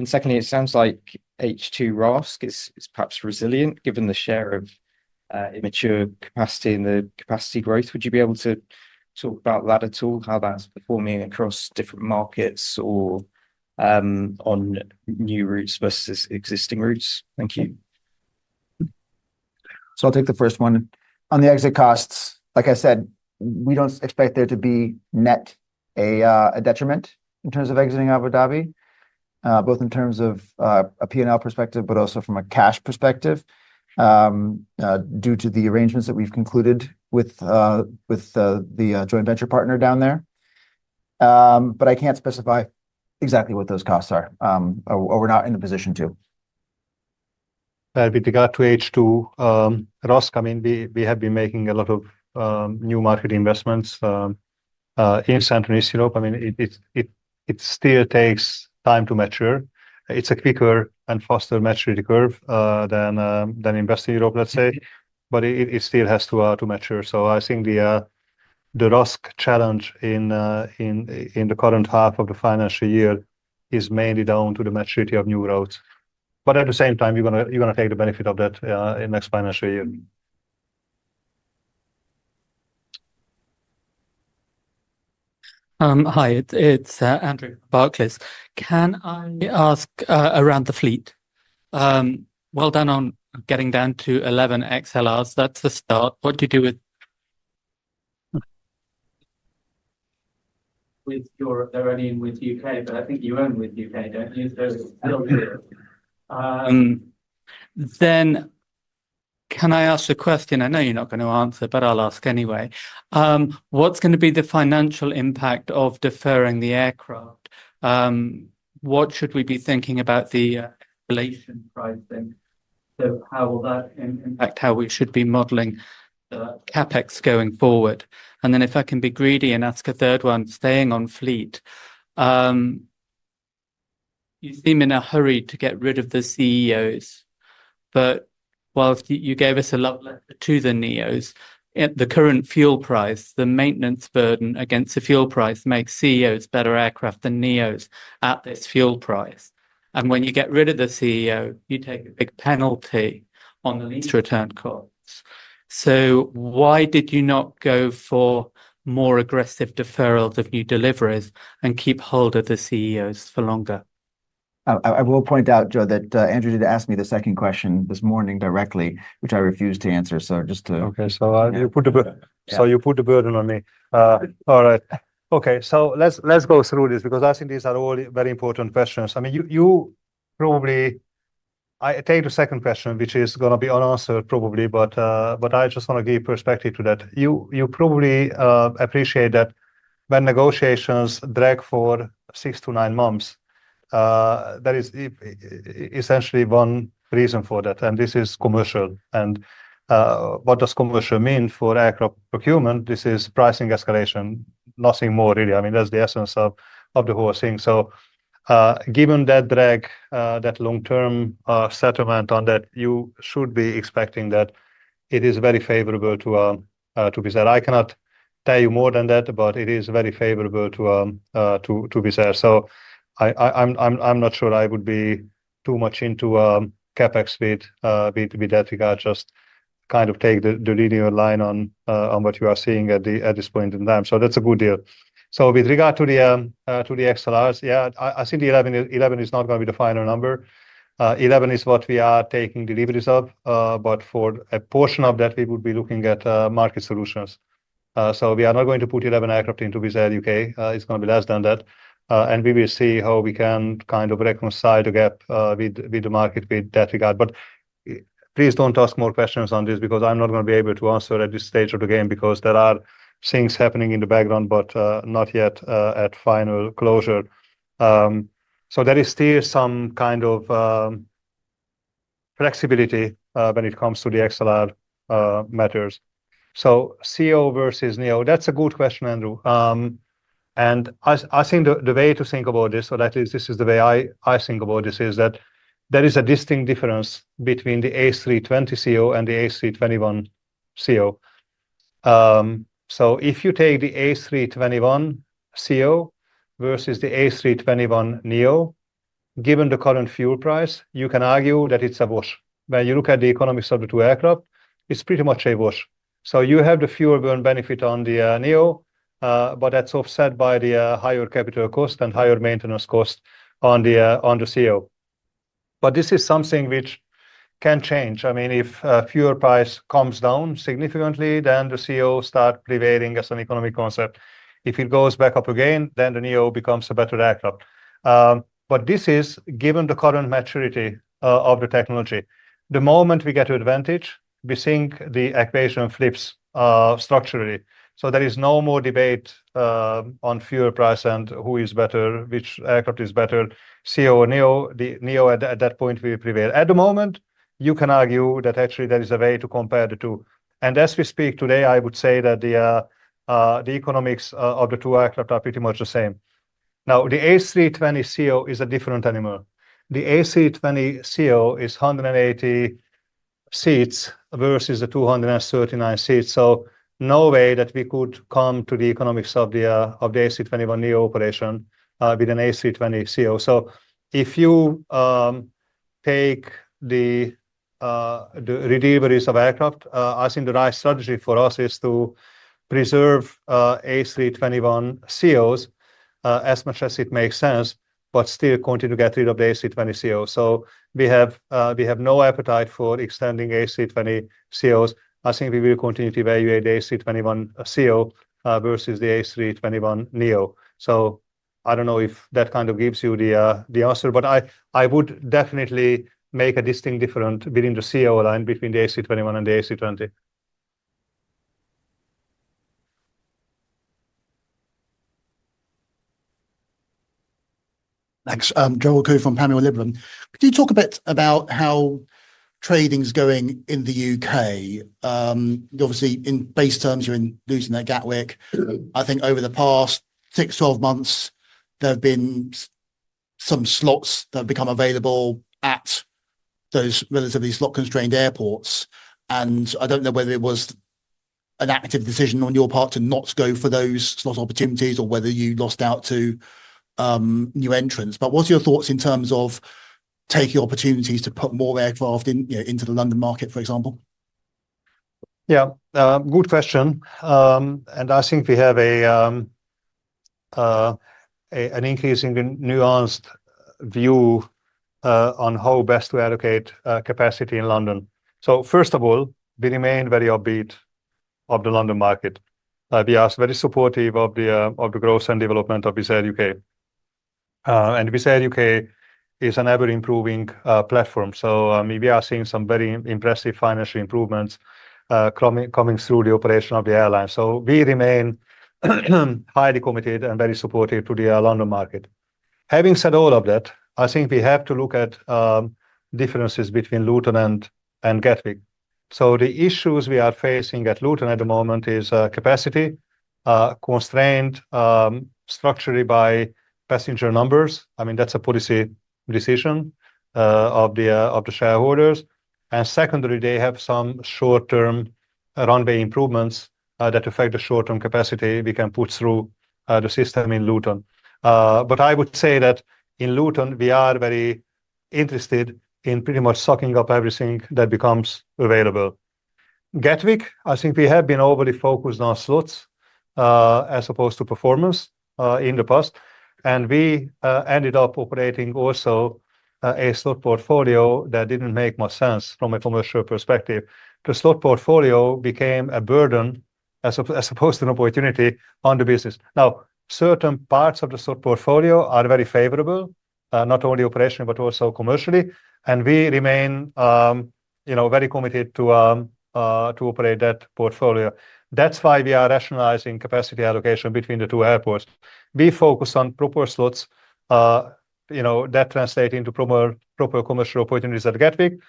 Speaker 7: Secondly, it sounds like H2 RASK is perhaps resilient given the share of immature capacity and the capacity growth. Would you be able to talk about that at all, how that's performing across different markets or, on new routes versus existing routes? Thank you.
Speaker 2: I'll take the first one. On the exit costs, like I said, we don't expect there to be net a detriment in terms of exiting Abu Dhabi, both in terms of a P&L perspective, but also from a cash perspective, due to the arrangements that we've concluded with the joint venture partner down there. I can't specify exactly what those costs are, or we're not in a position to. That would be regard to H2, ROSC. I mean, we have been making a lot of new market investments in Central East Europe. I mean, it still takes time to mature. It's a quicker and faster maturity curve than investing in Europe, let's say. It still has to mature. I think the ROSC challenge in the current half of the financial year is mainly down to the maturity of new routes. At the same time, you're going to take the benefit of that in next financial year.
Speaker 8: Hi, it's Andrew from Barclays. Can I ask around the fleet? Well done on getting down to 11 XLRs. That's the start. What do you do with Europe? They're only in with the U.K., but I think you own with the U.K., don't you? Can I ask a question? I know you're not going to answer, but I'll ask anyway. What's going to be the financial impact of deferring the aircraft? What should we be thinking about the relation pricing? How will that impact how we should be modeling the CapEx going forward? If I can be greedy and ask a third one, staying on fleet, you seem in a hurry to get rid of the CEOs, but whilst you gave us a lot to the NEOs, the current fuel price, the maintenance burden against the fuel price makes CEOs better aircraft than NEOs at this fuel price. When you get rid of the CEO, you take a big penalty on the lease return costs. Why did you not go for more aggressive deferrals of new deliveries and keep hold of the CEOs for longer?
Speaker 2: I will point out, Joe, that Andrew did ask me the second question this morning directly, which I refused to answer.
Speaker 1: Okay, so you put the burden on me? All right. Okay. Let's go through this because I think these are all very important questions. I mean, you probably, I take the second question, which is going to be unanswered probably, but I just want to give perspective to that. You probably appreciate that when negotiations drag for six to nine months, that is essentially one reason for that. This is commercial. And what does commercial mean for aircraft procurement? This is pricing escalation, nothing more really. I mean, that's the essence of the whole thing. Given that drag, that long-term settlement on that, you should be expecting that it is very favorable to be there. I cannot tell you more than that, but it is very favorable to be there. I'm not sure I would be too much into CapEx with that regard, just kind of take the linear line on what you are seeing at this point in time. That's a good deal. With regard to the XLRs, I think 11 is not going to be the final number. 11 is what we are taking deliveries of, but for a portion of that, we would be looking at market solutions. We are not going to put 11 aircraft into Wizz Air U.K. It's going to be less than that, and we will see how we can kind of reconcile the gap with the market with that regard. Please do not ask more questions on this because I am not going to be able to answer at this stage of the game because there are things happening in the background, but not yet at final closure. There is still some kind of flexibility when it comes to the XLR matters. CEO versus NEO, that is a good question, Andrew. I think the way to think about this, or at least this is the way I think about this, is that there is a distinct difference between the A320ceo and the A321ceo. If you take the A321ceo versus the A321neo, given the current fuel price, you can argue that it is a wash. When you look at the economics of the two aircraft, it is pretty much a wash. You have the fuel burn benefit on the NEO, but that's offset by the higher capital cost and higher maintenance cost on the CEO. This is something which can change. I mean, if fuel price comes down significantly, then the CEO starts prevailing as an economic concept. If it goes back up again, then the NEO becomes a better aircraft. This is given the current maturity of the technology. The moment we get to advantage, we think the equation flips structurally. There is no more debate on fuel price and who is better, which aircraft is better, CEO or NEO. The NEO at that point will prevail. At the moment, you can argue that actually there is a way to compare the two. As we speak today, I would say that the economics of the two aircraft are pretty much the same. Now, the A320ceo is a different animal. The A320ceo is 180 seats versus the 239 seats. No way that we could come to the economics of the, of the A321neo operation with an A320ceo. If you take the deliveries of aircraft, I think the right strategy for us is to preserve A321ceos as much as it makes sense, but still continue to get rid of the A320ceo. We have no appetite for extending A320 CEOs. I think we will continue to evaluate the A321ceo versus the A321neo. I do not know if that kind of gives you the answer, but I would definitely make a distinct difference within the CEO line between the A321 and the A320.
Speaker 9: Thanks. Gerald Khoo from Panmure Liberum. Could you talk a bit about how trading's going in the U.K.? Obviously in base terms, you're in losing that Gatwick. I think over the past six to twelve months, there've been some slots that have become available at those relatively slot-constrained airports. I don't know whether it was an active decision on your part to not go for those slot opportunities or whether you lost out to new entrants. What's your thoughts in terms of taking opportunities to put more aircraft in, you know, into the London market, for example?
Speaker 1: Yeah, good question. I think we have an increasingly nuanced view on how best to allocate capacity in London. First of all, we remain very upbeat on the London market. We are very supportive of the growth and development of Wizz Air U.K., and Wizz Air U.K. is an ever-improving platform. Maybe we are seeing some very impressive financial improvements coming through the operation of the airline. We remain highly committed and very supportive to the London market. Having said all of that, I think we have to look at differences between Luton and Gatwick. The issues we are facing at Luton at the moment are capacity, constrained structurally by passenger numbers. I mean, that is a policy decision of the shareholders. Secondly, they have some short-term runway improvements that affect the short-term capacity we can put through the system in Luton. I would say that in Luton, we are very interested in pretty much sucking up everything that becomes available. Gatwick, I think we have been overly focused on slots, as opposed to performance, in the past. We ended up operating also a slot portfolio that did not make much sense from a commercial perspective. The slot portfolio became a burden as opposed to an opportunity on the business. Now, certain parts of the slot portfolio are very favorable, not only operationally, but also commercially. We remain, you know, very committed to operate that portfolio. That is why we are rationalizing capacity allocation between the two airports. We focus on proper slots, you know, that translate into proper, proper commercial opportunities at Gatwick.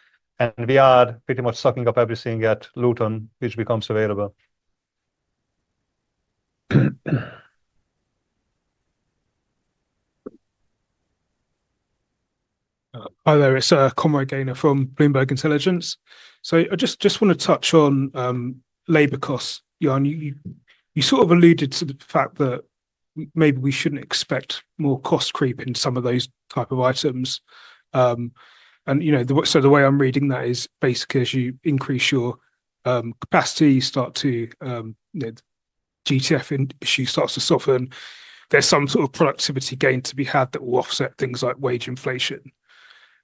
Speaker 1: We are pretty much sucking up everything at Luton, which becomes available.
Speaker 10: Hi there, it is Conroy Gaynor from Bloomberg Intelligence. I just want to touch on labor costs, Ian. You sort of alluded to the fact that maybe we should not expect more cost creep in some of those type of items. You know, the way I'm reading that is basically as you increase your capacity, you start to, you know, GTF issue starts to soften. There's some sort of productivity gain to be had that will offset things like wage inflation.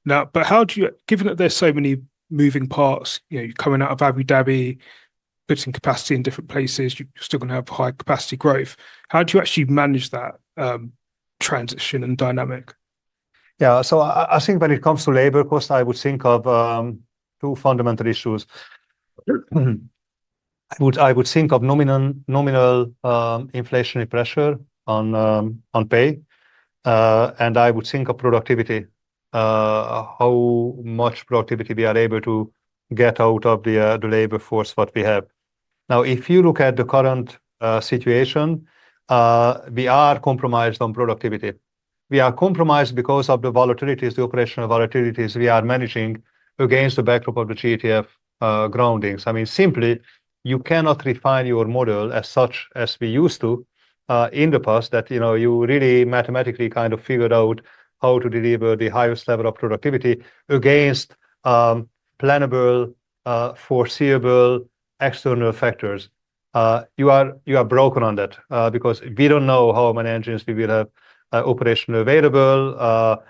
Speaker 10: Now, how do you, given that there's so many moving parts, you know, you're coming out of Abu Dhabi, putting capacity in different places, you're still going to have high capacity growth. How do you actually manage that transition and dynamic?
Speaker 1: Yeah, I think when it comes to labor costs, I would think of two fundamental issues. I would think of nominal, nominal, inflationary pressure on pay, and I would think of productivity, how much productivity we are able to get out of the labor force that we have. Now, if you look at the current situation, we are compromised on productivity. We are compromised because of the volatilities, the operational volatilities we are managing against the backdrop of the GTF groundings. I mean, simply, you cannot refine your model as such as we used to in the past that, you know, you really mathematically kind of figured out how to deliver the highest level of productivity against plannable, foreseeable external factors. You are broken on that, because we do not know how many engines we will have operationally available.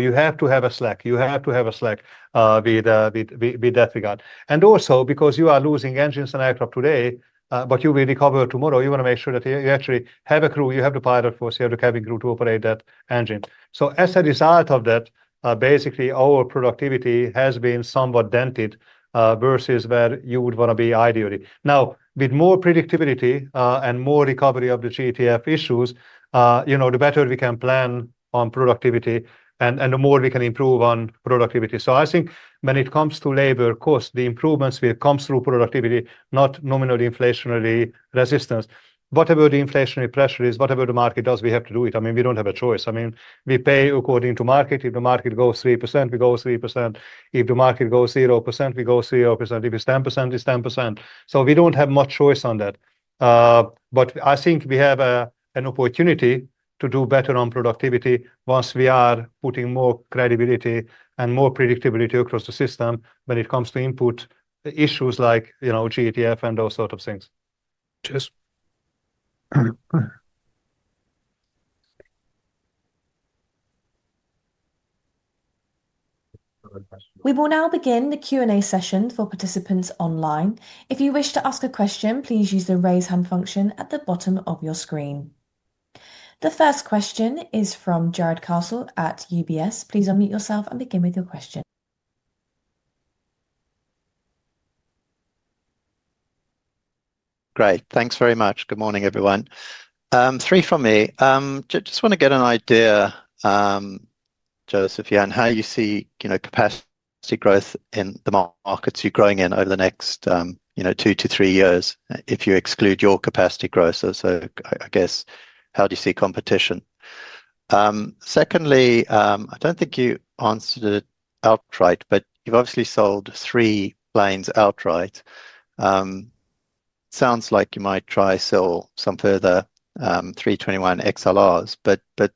Speaker 1: You have to have a slack. You have to have a slack with that regard. Also, because you are losing engines and aircraft today, but you will recover tomorrow. You want to make sure that you actually have a crew. You have the pilot force. You have the cabin crew to operate that engine. As a result of that, basically our productivity has been somewhat dented, versus where you would want to be ideally. Now, with more predictability, and more recovery of the GTF issues, you know, the better we can plan on productivity and, and the more we can improve on productivity. I think when it comes to labor costs, the improvements will come through productivity, not nominal inflationary resistance. Whatever the inflationary pressure is, whatever the market does, we have to do it. I mean, we do not have a choice. I mean, we pay according to market. If the market goes 3%, we go 3%. If the market goes 0%, we go 0%. If it is 10%, it is 10%. We do not have much choice on that. but I think we have an opportunity to do better on productivity once we are putting more credibility and more predictability across the system when it comes to input issues like, you know, GTF and those sort of things.
Speaker 10: Cheers.
Speaker 11: We will now begin the Q&A session for participants online. If you wish to ask a question, please use the raise hand function at the bottom of your screen. The first question is from Jarrod Castle at UBS. Please unmute yourself and begin with your question.
Speaker 12: Great. Thanks very much. Good morning, everyone. Three from me. Just want to get an idea, József, Ian, how you see, you know, capacity growth in the markets you're growing in over the next, you know, two to three years, if you exclude your capacity growth. So I guess, how do you see competition? Secondly, I do not think you answered it outright, but you have obviously sold three planes outright. Sounds like you might try to sell some further 321 XLRs, but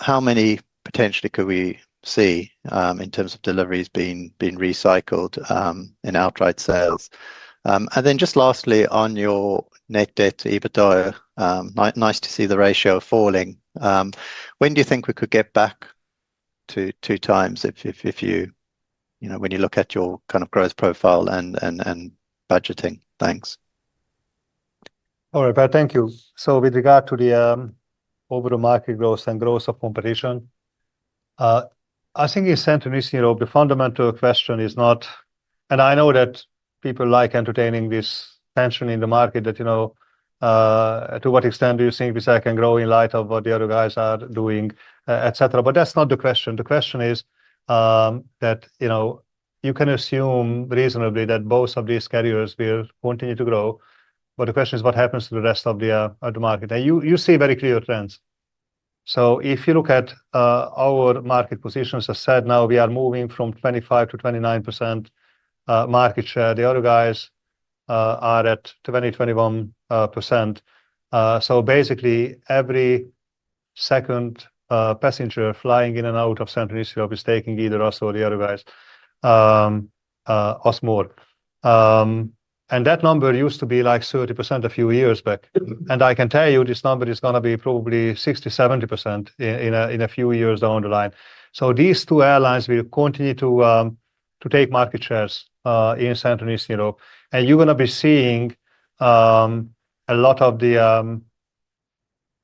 Speaker 12: how many potentially could we see in terms of deliveries being recycled in outright sales? And then just lastly on your net debt to EBITDA, nice to see the ratio falling. When do you think we could get back to two times if you, you know, when you look at your kind of growth profile and budgeting? Thanks.
Speaker 1: All right, thank you. With regard to the overall market growth and growth of competition, I think in Central East Europe, you know, the fundamental question is not, and I know that people like entertaining this tension in the market that, you know, to what extent do you think Wizz Air can grow in light of what the other guys are doing, et cetera. That is not the question. The question is, that, you know, you can assume reasonably that both of these carriers will continue to grow. The question is, what happens to the rest of the market? You see very clear trends. If you look at our market positions, as said now, we are moving from 25%-29% market share. The other guys are at 20-21%. Basically, every second passenger flying in and out of Central East Europe is taking either us or the other guys, us more. That number used to be like 30% a few years back. I can tell you this number is going to be probably 60-70% in a few years down the line. These two airlines will continue to take market shares in Central East Europe, you know, and you're going to be seeing a lot of the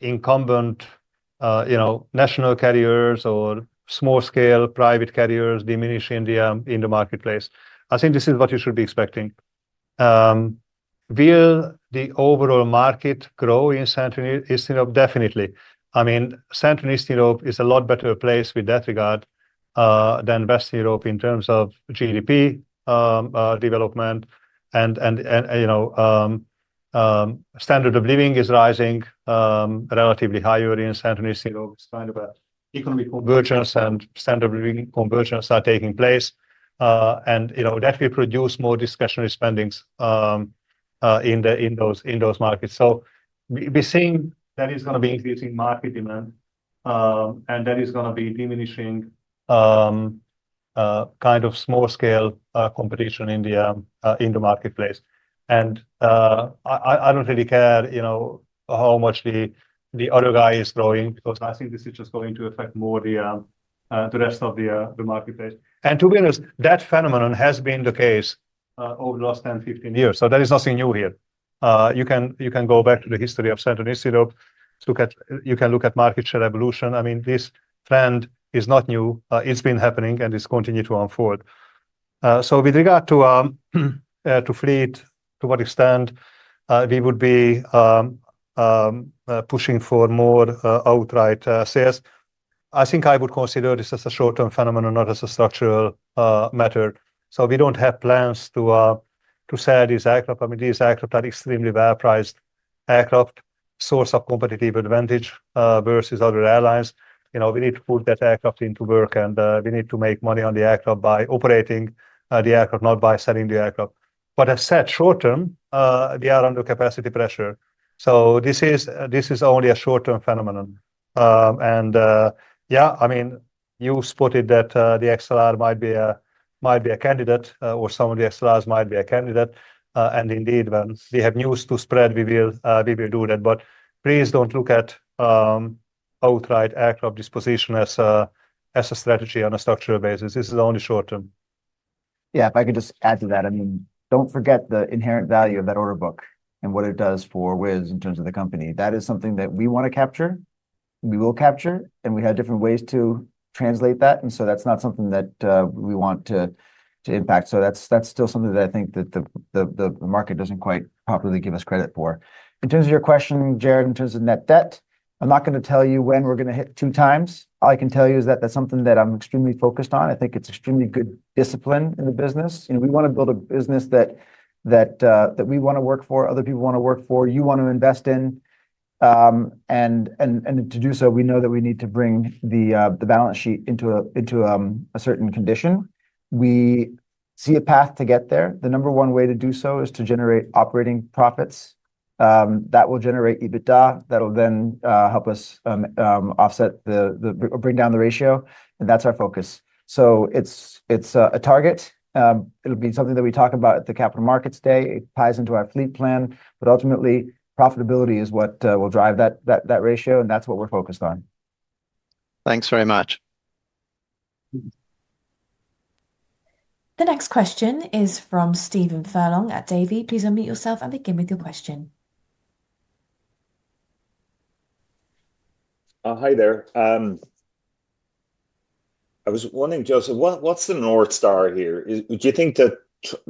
Speaker 1: incumbent, you know, national carriers or small scale private carriers diminish in the marketplace. I think this is what you should be expecting. Will the overall market grow in Central East Europe? Definitely. I mean, Central East Europe is a lot better place with that regard than Western Europe in terms of GDP, development, and, you know, standard of living is rising relatively higher in Central East Europe. It's kind of an economy convergence and standard of living convergence are taking place. You know, that will produce more discretionary spending in those markets. We are seeing that is going to be increasing market demand, and that is going to be diminishing kind of small-scale competition in the marketplace. I do not really care, you know, how much the other guy is growing because I think this is just going to affect more the rest of the marketplace. To be honest, that phenomenon has been the case over the last 10-15 years. That is nothing new here. You can go back to the history of Central East Europe, look at, you can look at market share evolution. I mean, this trend is not new. It has been happening and it has continued to unfold. With regard to fleet, to what extent we would be pushing for more outright sales, I think I would consider this as a short-term phenomenon, not as a structural matter. We do not have plans to sell these aircraft. I mean, these aircraft are extremely well-priced aircraft, source of competitive advantage versus other airlines. You know, we need to put that aircraft into work and we need to make money on the aircraft by operating the aircraft, not by selling the aircraft. As said, short term, we are under capacity pressure. This is only a short-term phenomenon. Yeah, I mean, you spotted that the XLR might be a, might be a candidate, or some of the XLRs might be a candidate. Indeed, when we have news to spread, we will do that. Please do not look at outright aircraft disposition as a strategy on a structural basis. This is only short term.
Speaker 2: Yeah, if I could just add to that, I mean, do not forget the inherent value of that order book and what it does for Wizz in terms of the company. That is something that we want to capture. We will capture and we have different ways to translate that. That is not something that we want to impact. That is still something that I think the market does not quite properly give us credit for. In terms of your question, Jared, in terms of net debt, I am not going to tell you when we are going to hit two times. All I can tell you is that is something that I am extremely focused on. I think it is extremely good discipline in the business. You know, we want to build a business that we want to work for, other people want to work for, you want to invest in. And to do so, we know that we need to bring the balance sheet into a certain condition. We see a path to get there. The number one way to do so is to generate operating profits. That will generate EBITDA that'll then help us offset the, or bring down the ratio. And that's our focus. It's a target. It'll be something that we talk about at the capital markets day. It ties into our fleet plan, but ultimately profitability is what will drive that ratio. And that's what we're focused on.
Speaker 12: Thanks very much.
Speaker 11: The next question is from Stephen Furlong at Davy. Please unmute yourself and begin with your question.
Speaker 13: Hi there. I was wondering, József, what, what's the North Star here? Do you think that fiscal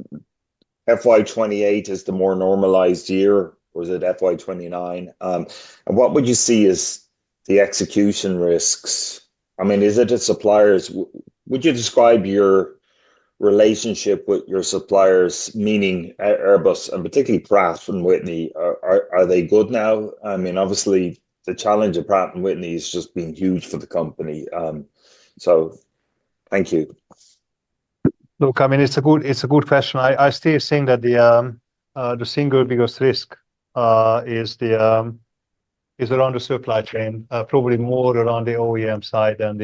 Speaker 13: year 2028 is the more normalized year or is it fiscal year 2029? What would you see as the execution risks? I mean, is it suppliers? Would you describe your relationship with your suppliers, meaning Airbus and particularly Pratt & Whitney? Are they good now? I mean, obviously the challenge of Pratt & Whitney has just been huge for the company. Thank you.
Speaker 1: Look, I mean, it's a good, it's a good question. I still think that the single biggest risk is around the supply chain, probably more around the OEM side than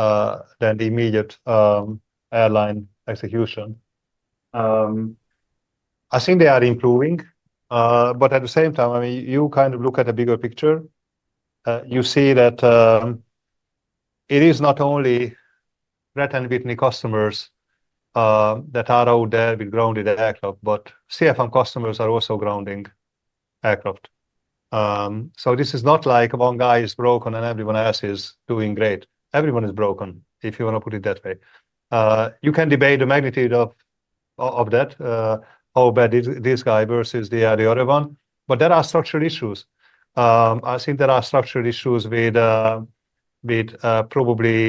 Speaker 1: the immediate airline execution. I think they are improving, but at the same time, I mean, you kind of look at a bigger picture. You see that it is not only Pratt & Whitney customers that are out there with grounded aircraft, but CFM customers are also grounding aircraft. This is not like one guy is broken and everyone else is doing great. Everyone is broken, if you want to put it that way. You can debate the magnitude of that, how bad is this guy versus the other one. There are structural issues. I think there are structural issues with probably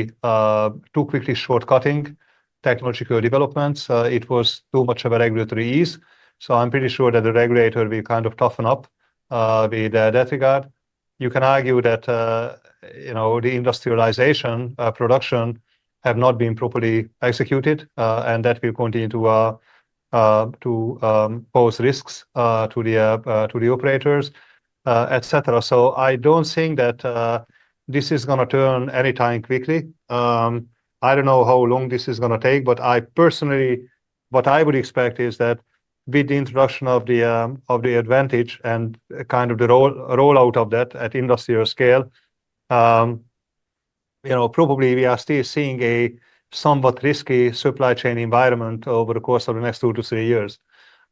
Speaker 1: too quickly shortcutting technological developments. It was too much of a regulatory ease. I am pretty sure that the regulator will kind of toughen up with that regard. You can argue that, you know, the industrialization, production have not been properly executed, and that will continue to pose risks to the operators, et cetera. I do not think that this is going to turn anytime quickly. I do not know how long this is going to take, but I personally, what I would expect is that with the introduction of the advantage and kind of the rollout of that at industrial scale, you know, probably we are still seeing a somewhat risky supply chain environment over the course of the next two to three years.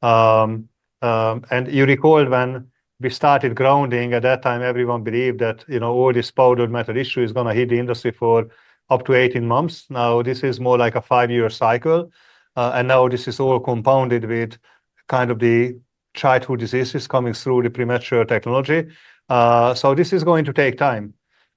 Speaker 1: You recall when we started grounding at that time, everyone believed that, you know, all this powdered metal issue is going to hit the industry for up to 18 months. Now this is more like a five-year cycle. Now this is all compounded with kind of the childhood diseases coming through the premature technology. This is going to take time.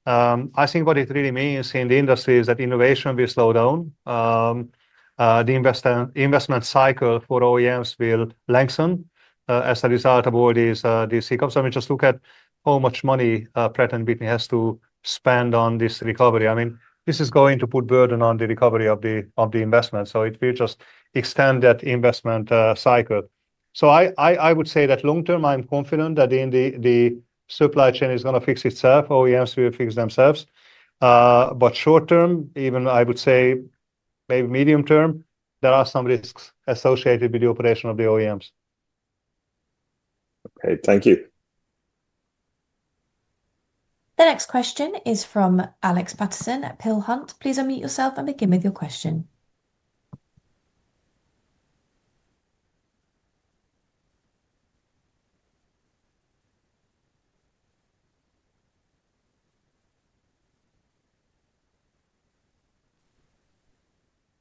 Speaker 1: I think what it really means in the industry is that innovation will slow down. The investment cycle for OEMs will lengthen, as a result of all these hiccups. I mean, just look at how much money Pratt & Whitney has to spend on this recovery. I mean, this is going to put burden on the recovery of the investment. It will just extend that investment cycle. I would say that long term, I'm confident that the supply chain is going to fix itself. OEMs will fix themselves. Short term, even I would say maybe medium term, there are some risks associated with the operation of the OEMs.
Speaker 13: Okay, thank you.
Speaker 11: The next question is from Alex Paterson at Peel Hunt. Please unmute yourself and begin with your question.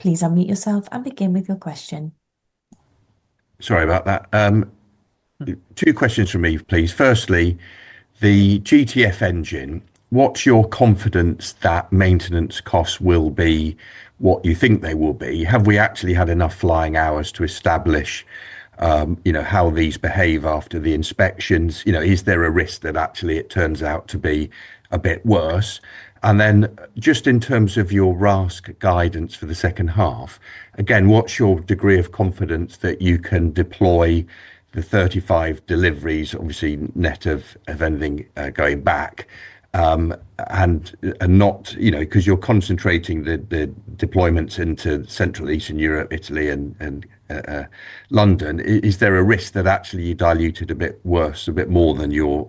Speaker 11: Please unmute yourself and begin with your question.
Speaker 14: Sorry about that. Two questions from me, please. Firstly, the GTF engine, what's your confidence that maintenance costs will be what you think they will be? Have we actually had enough flying hours to establish, you know, how these behave after the inspections? You know, is there a risk that actually it turns out to be a bit worse? Just in terms of your RASK guidance for the second half, again, what's your degree of confidence that you can deploy the 35 deliveries, obviously net of anything going back, and not, you know, because you're concentrating the deployments into Central East Europe, Italy, and London. Is there a risk that actually you dilute it a bit worse, a bit more than you're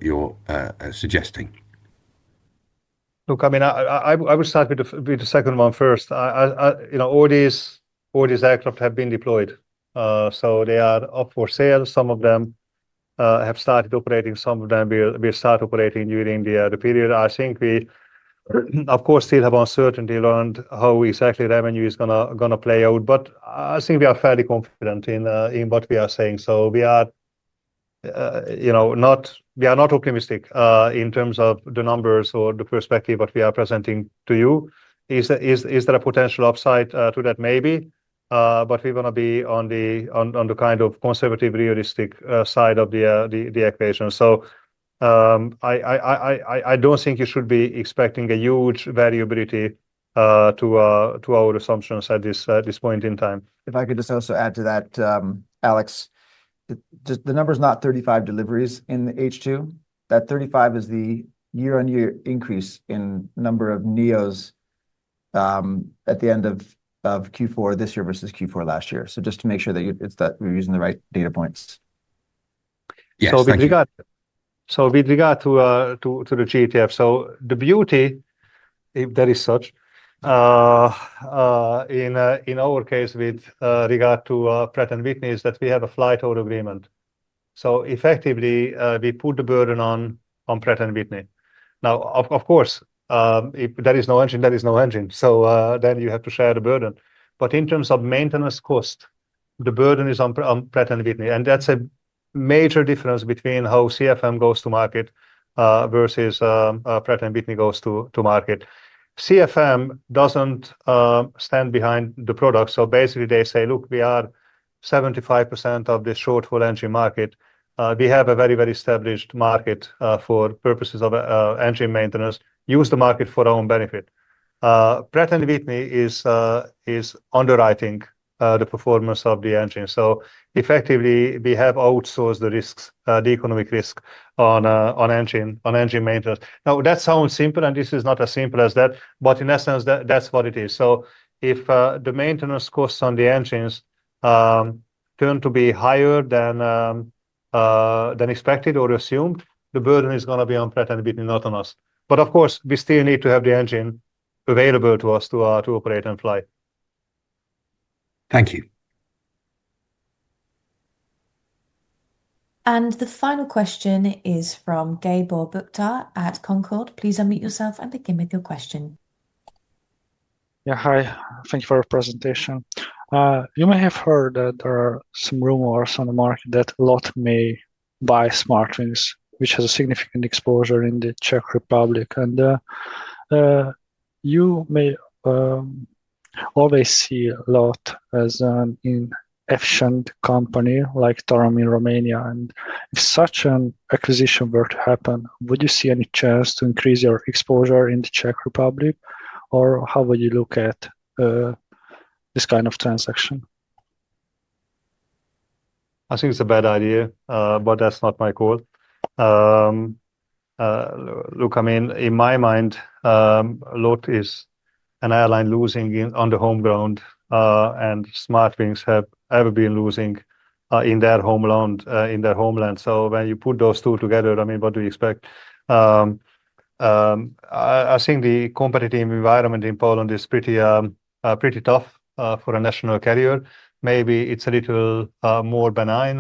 Speaker 14: suggesting? Look, I mean, I will start with the second one first. You know, all these aircraft have been deployed. They are up for sale. Some of them have started operating. Some of them will start operating during the period. I think we, of course, still have uncertainty around how exactly revenue is going to play out. I think we are fairly confident in what we are saying. We are not optimistic in terms of the numbers or the perspective that we are presenting to you. Is there a potential upside to that? Maybe. We want to be on the kind of conservative, realistic side of the equation. I do not think you should be expecting a huge variability to our assumptions at this point in time.
Speaker 2: If I could just also add to that, Alex, the number is not 35 deliveries in the H2. That 35 is the year-on-year increase in number of NEOs at the end of Q4 this year versus Q4 last year. Just to make sure that you, it's that we're using the right data points.
Speaker 1: Yes. With regard to the GTF, the beauty, if there is such, in our case with regard to Pratt & Whitney is that we have a flight-out agreement. Effectively, we put the burden on Pratt & Whitney. Now, of course, if there is no engine, there is no engine. You have to share the burden. In terms of maintenance cost, the burden is on Pratt & Whitney. That is a major difference between how CFM goes to market versus Pratt & Whitney goes to market. CFM does not stand behind the product. Basically, they say, look, we are 75% of the short-haul engine market. We have a very, very established market for purposes of engine maintenance. Use the market for our own benefit. Pratt & Whitney is underwriting the performance of the engine. Effectively, we have outsourced the risks, the economic risk on engine maintenance. Now, that sounds simple and this is not as simple as that, but in essence, that is what it is. If the maintenance costs on the engines turn out to be higher than expected or assumed, the burden is going to be on Pratt & Whitney, not on us. Of course we still need to have the engine available to us to operate and fly.
Speaker 14: Thank you.
Speaker 11: The final question is from Gábor Bukta at Concorde. Please unmute yourself and begin with your question.
Speaker 15: Yeah, hi. Thank you for your presentation. You may have heard that there are some rumors on the market that LOT may buy SmartWings, which has a significant exposure in the Czech Republic. You may always see LOT as an inefficient company like TAROM in Romania. If such an acquisition were to happen, would you see any chance to increase your exposure in the Czech Republic? Or how would you look at this kind of transaction?
Speaker 1: I think it's a bad idea, but that's not my call. Look, I mean, in my mind, LOT is an airline losing in on the home ground, and SmartWings have ever been losing in their homeland. So when you put those two together, I mean, what do you expect? I think the competitive environment in Poland is pretty, pretty tough for a national carrier. Maybe it's a little more benign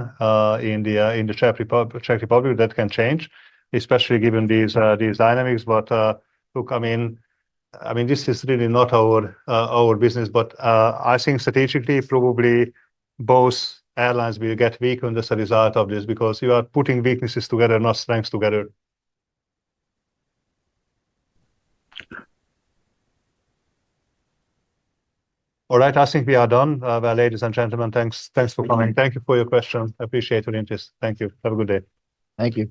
Speaker 1: in the Czech Republic. Czech Republic, that can change, especially given these dynamics. Look, I mean, this is really not our business, but I think strategically probably both airlines will get weak on the result of this because you are putting weaknesses together, not strengths together. All right. I think we are done. Ladies and gentlemen, thanks, thanks for coming. Thank you for your question. Appreciate your interest. Thank you. Have a good day.
Speaker 2: Thank you.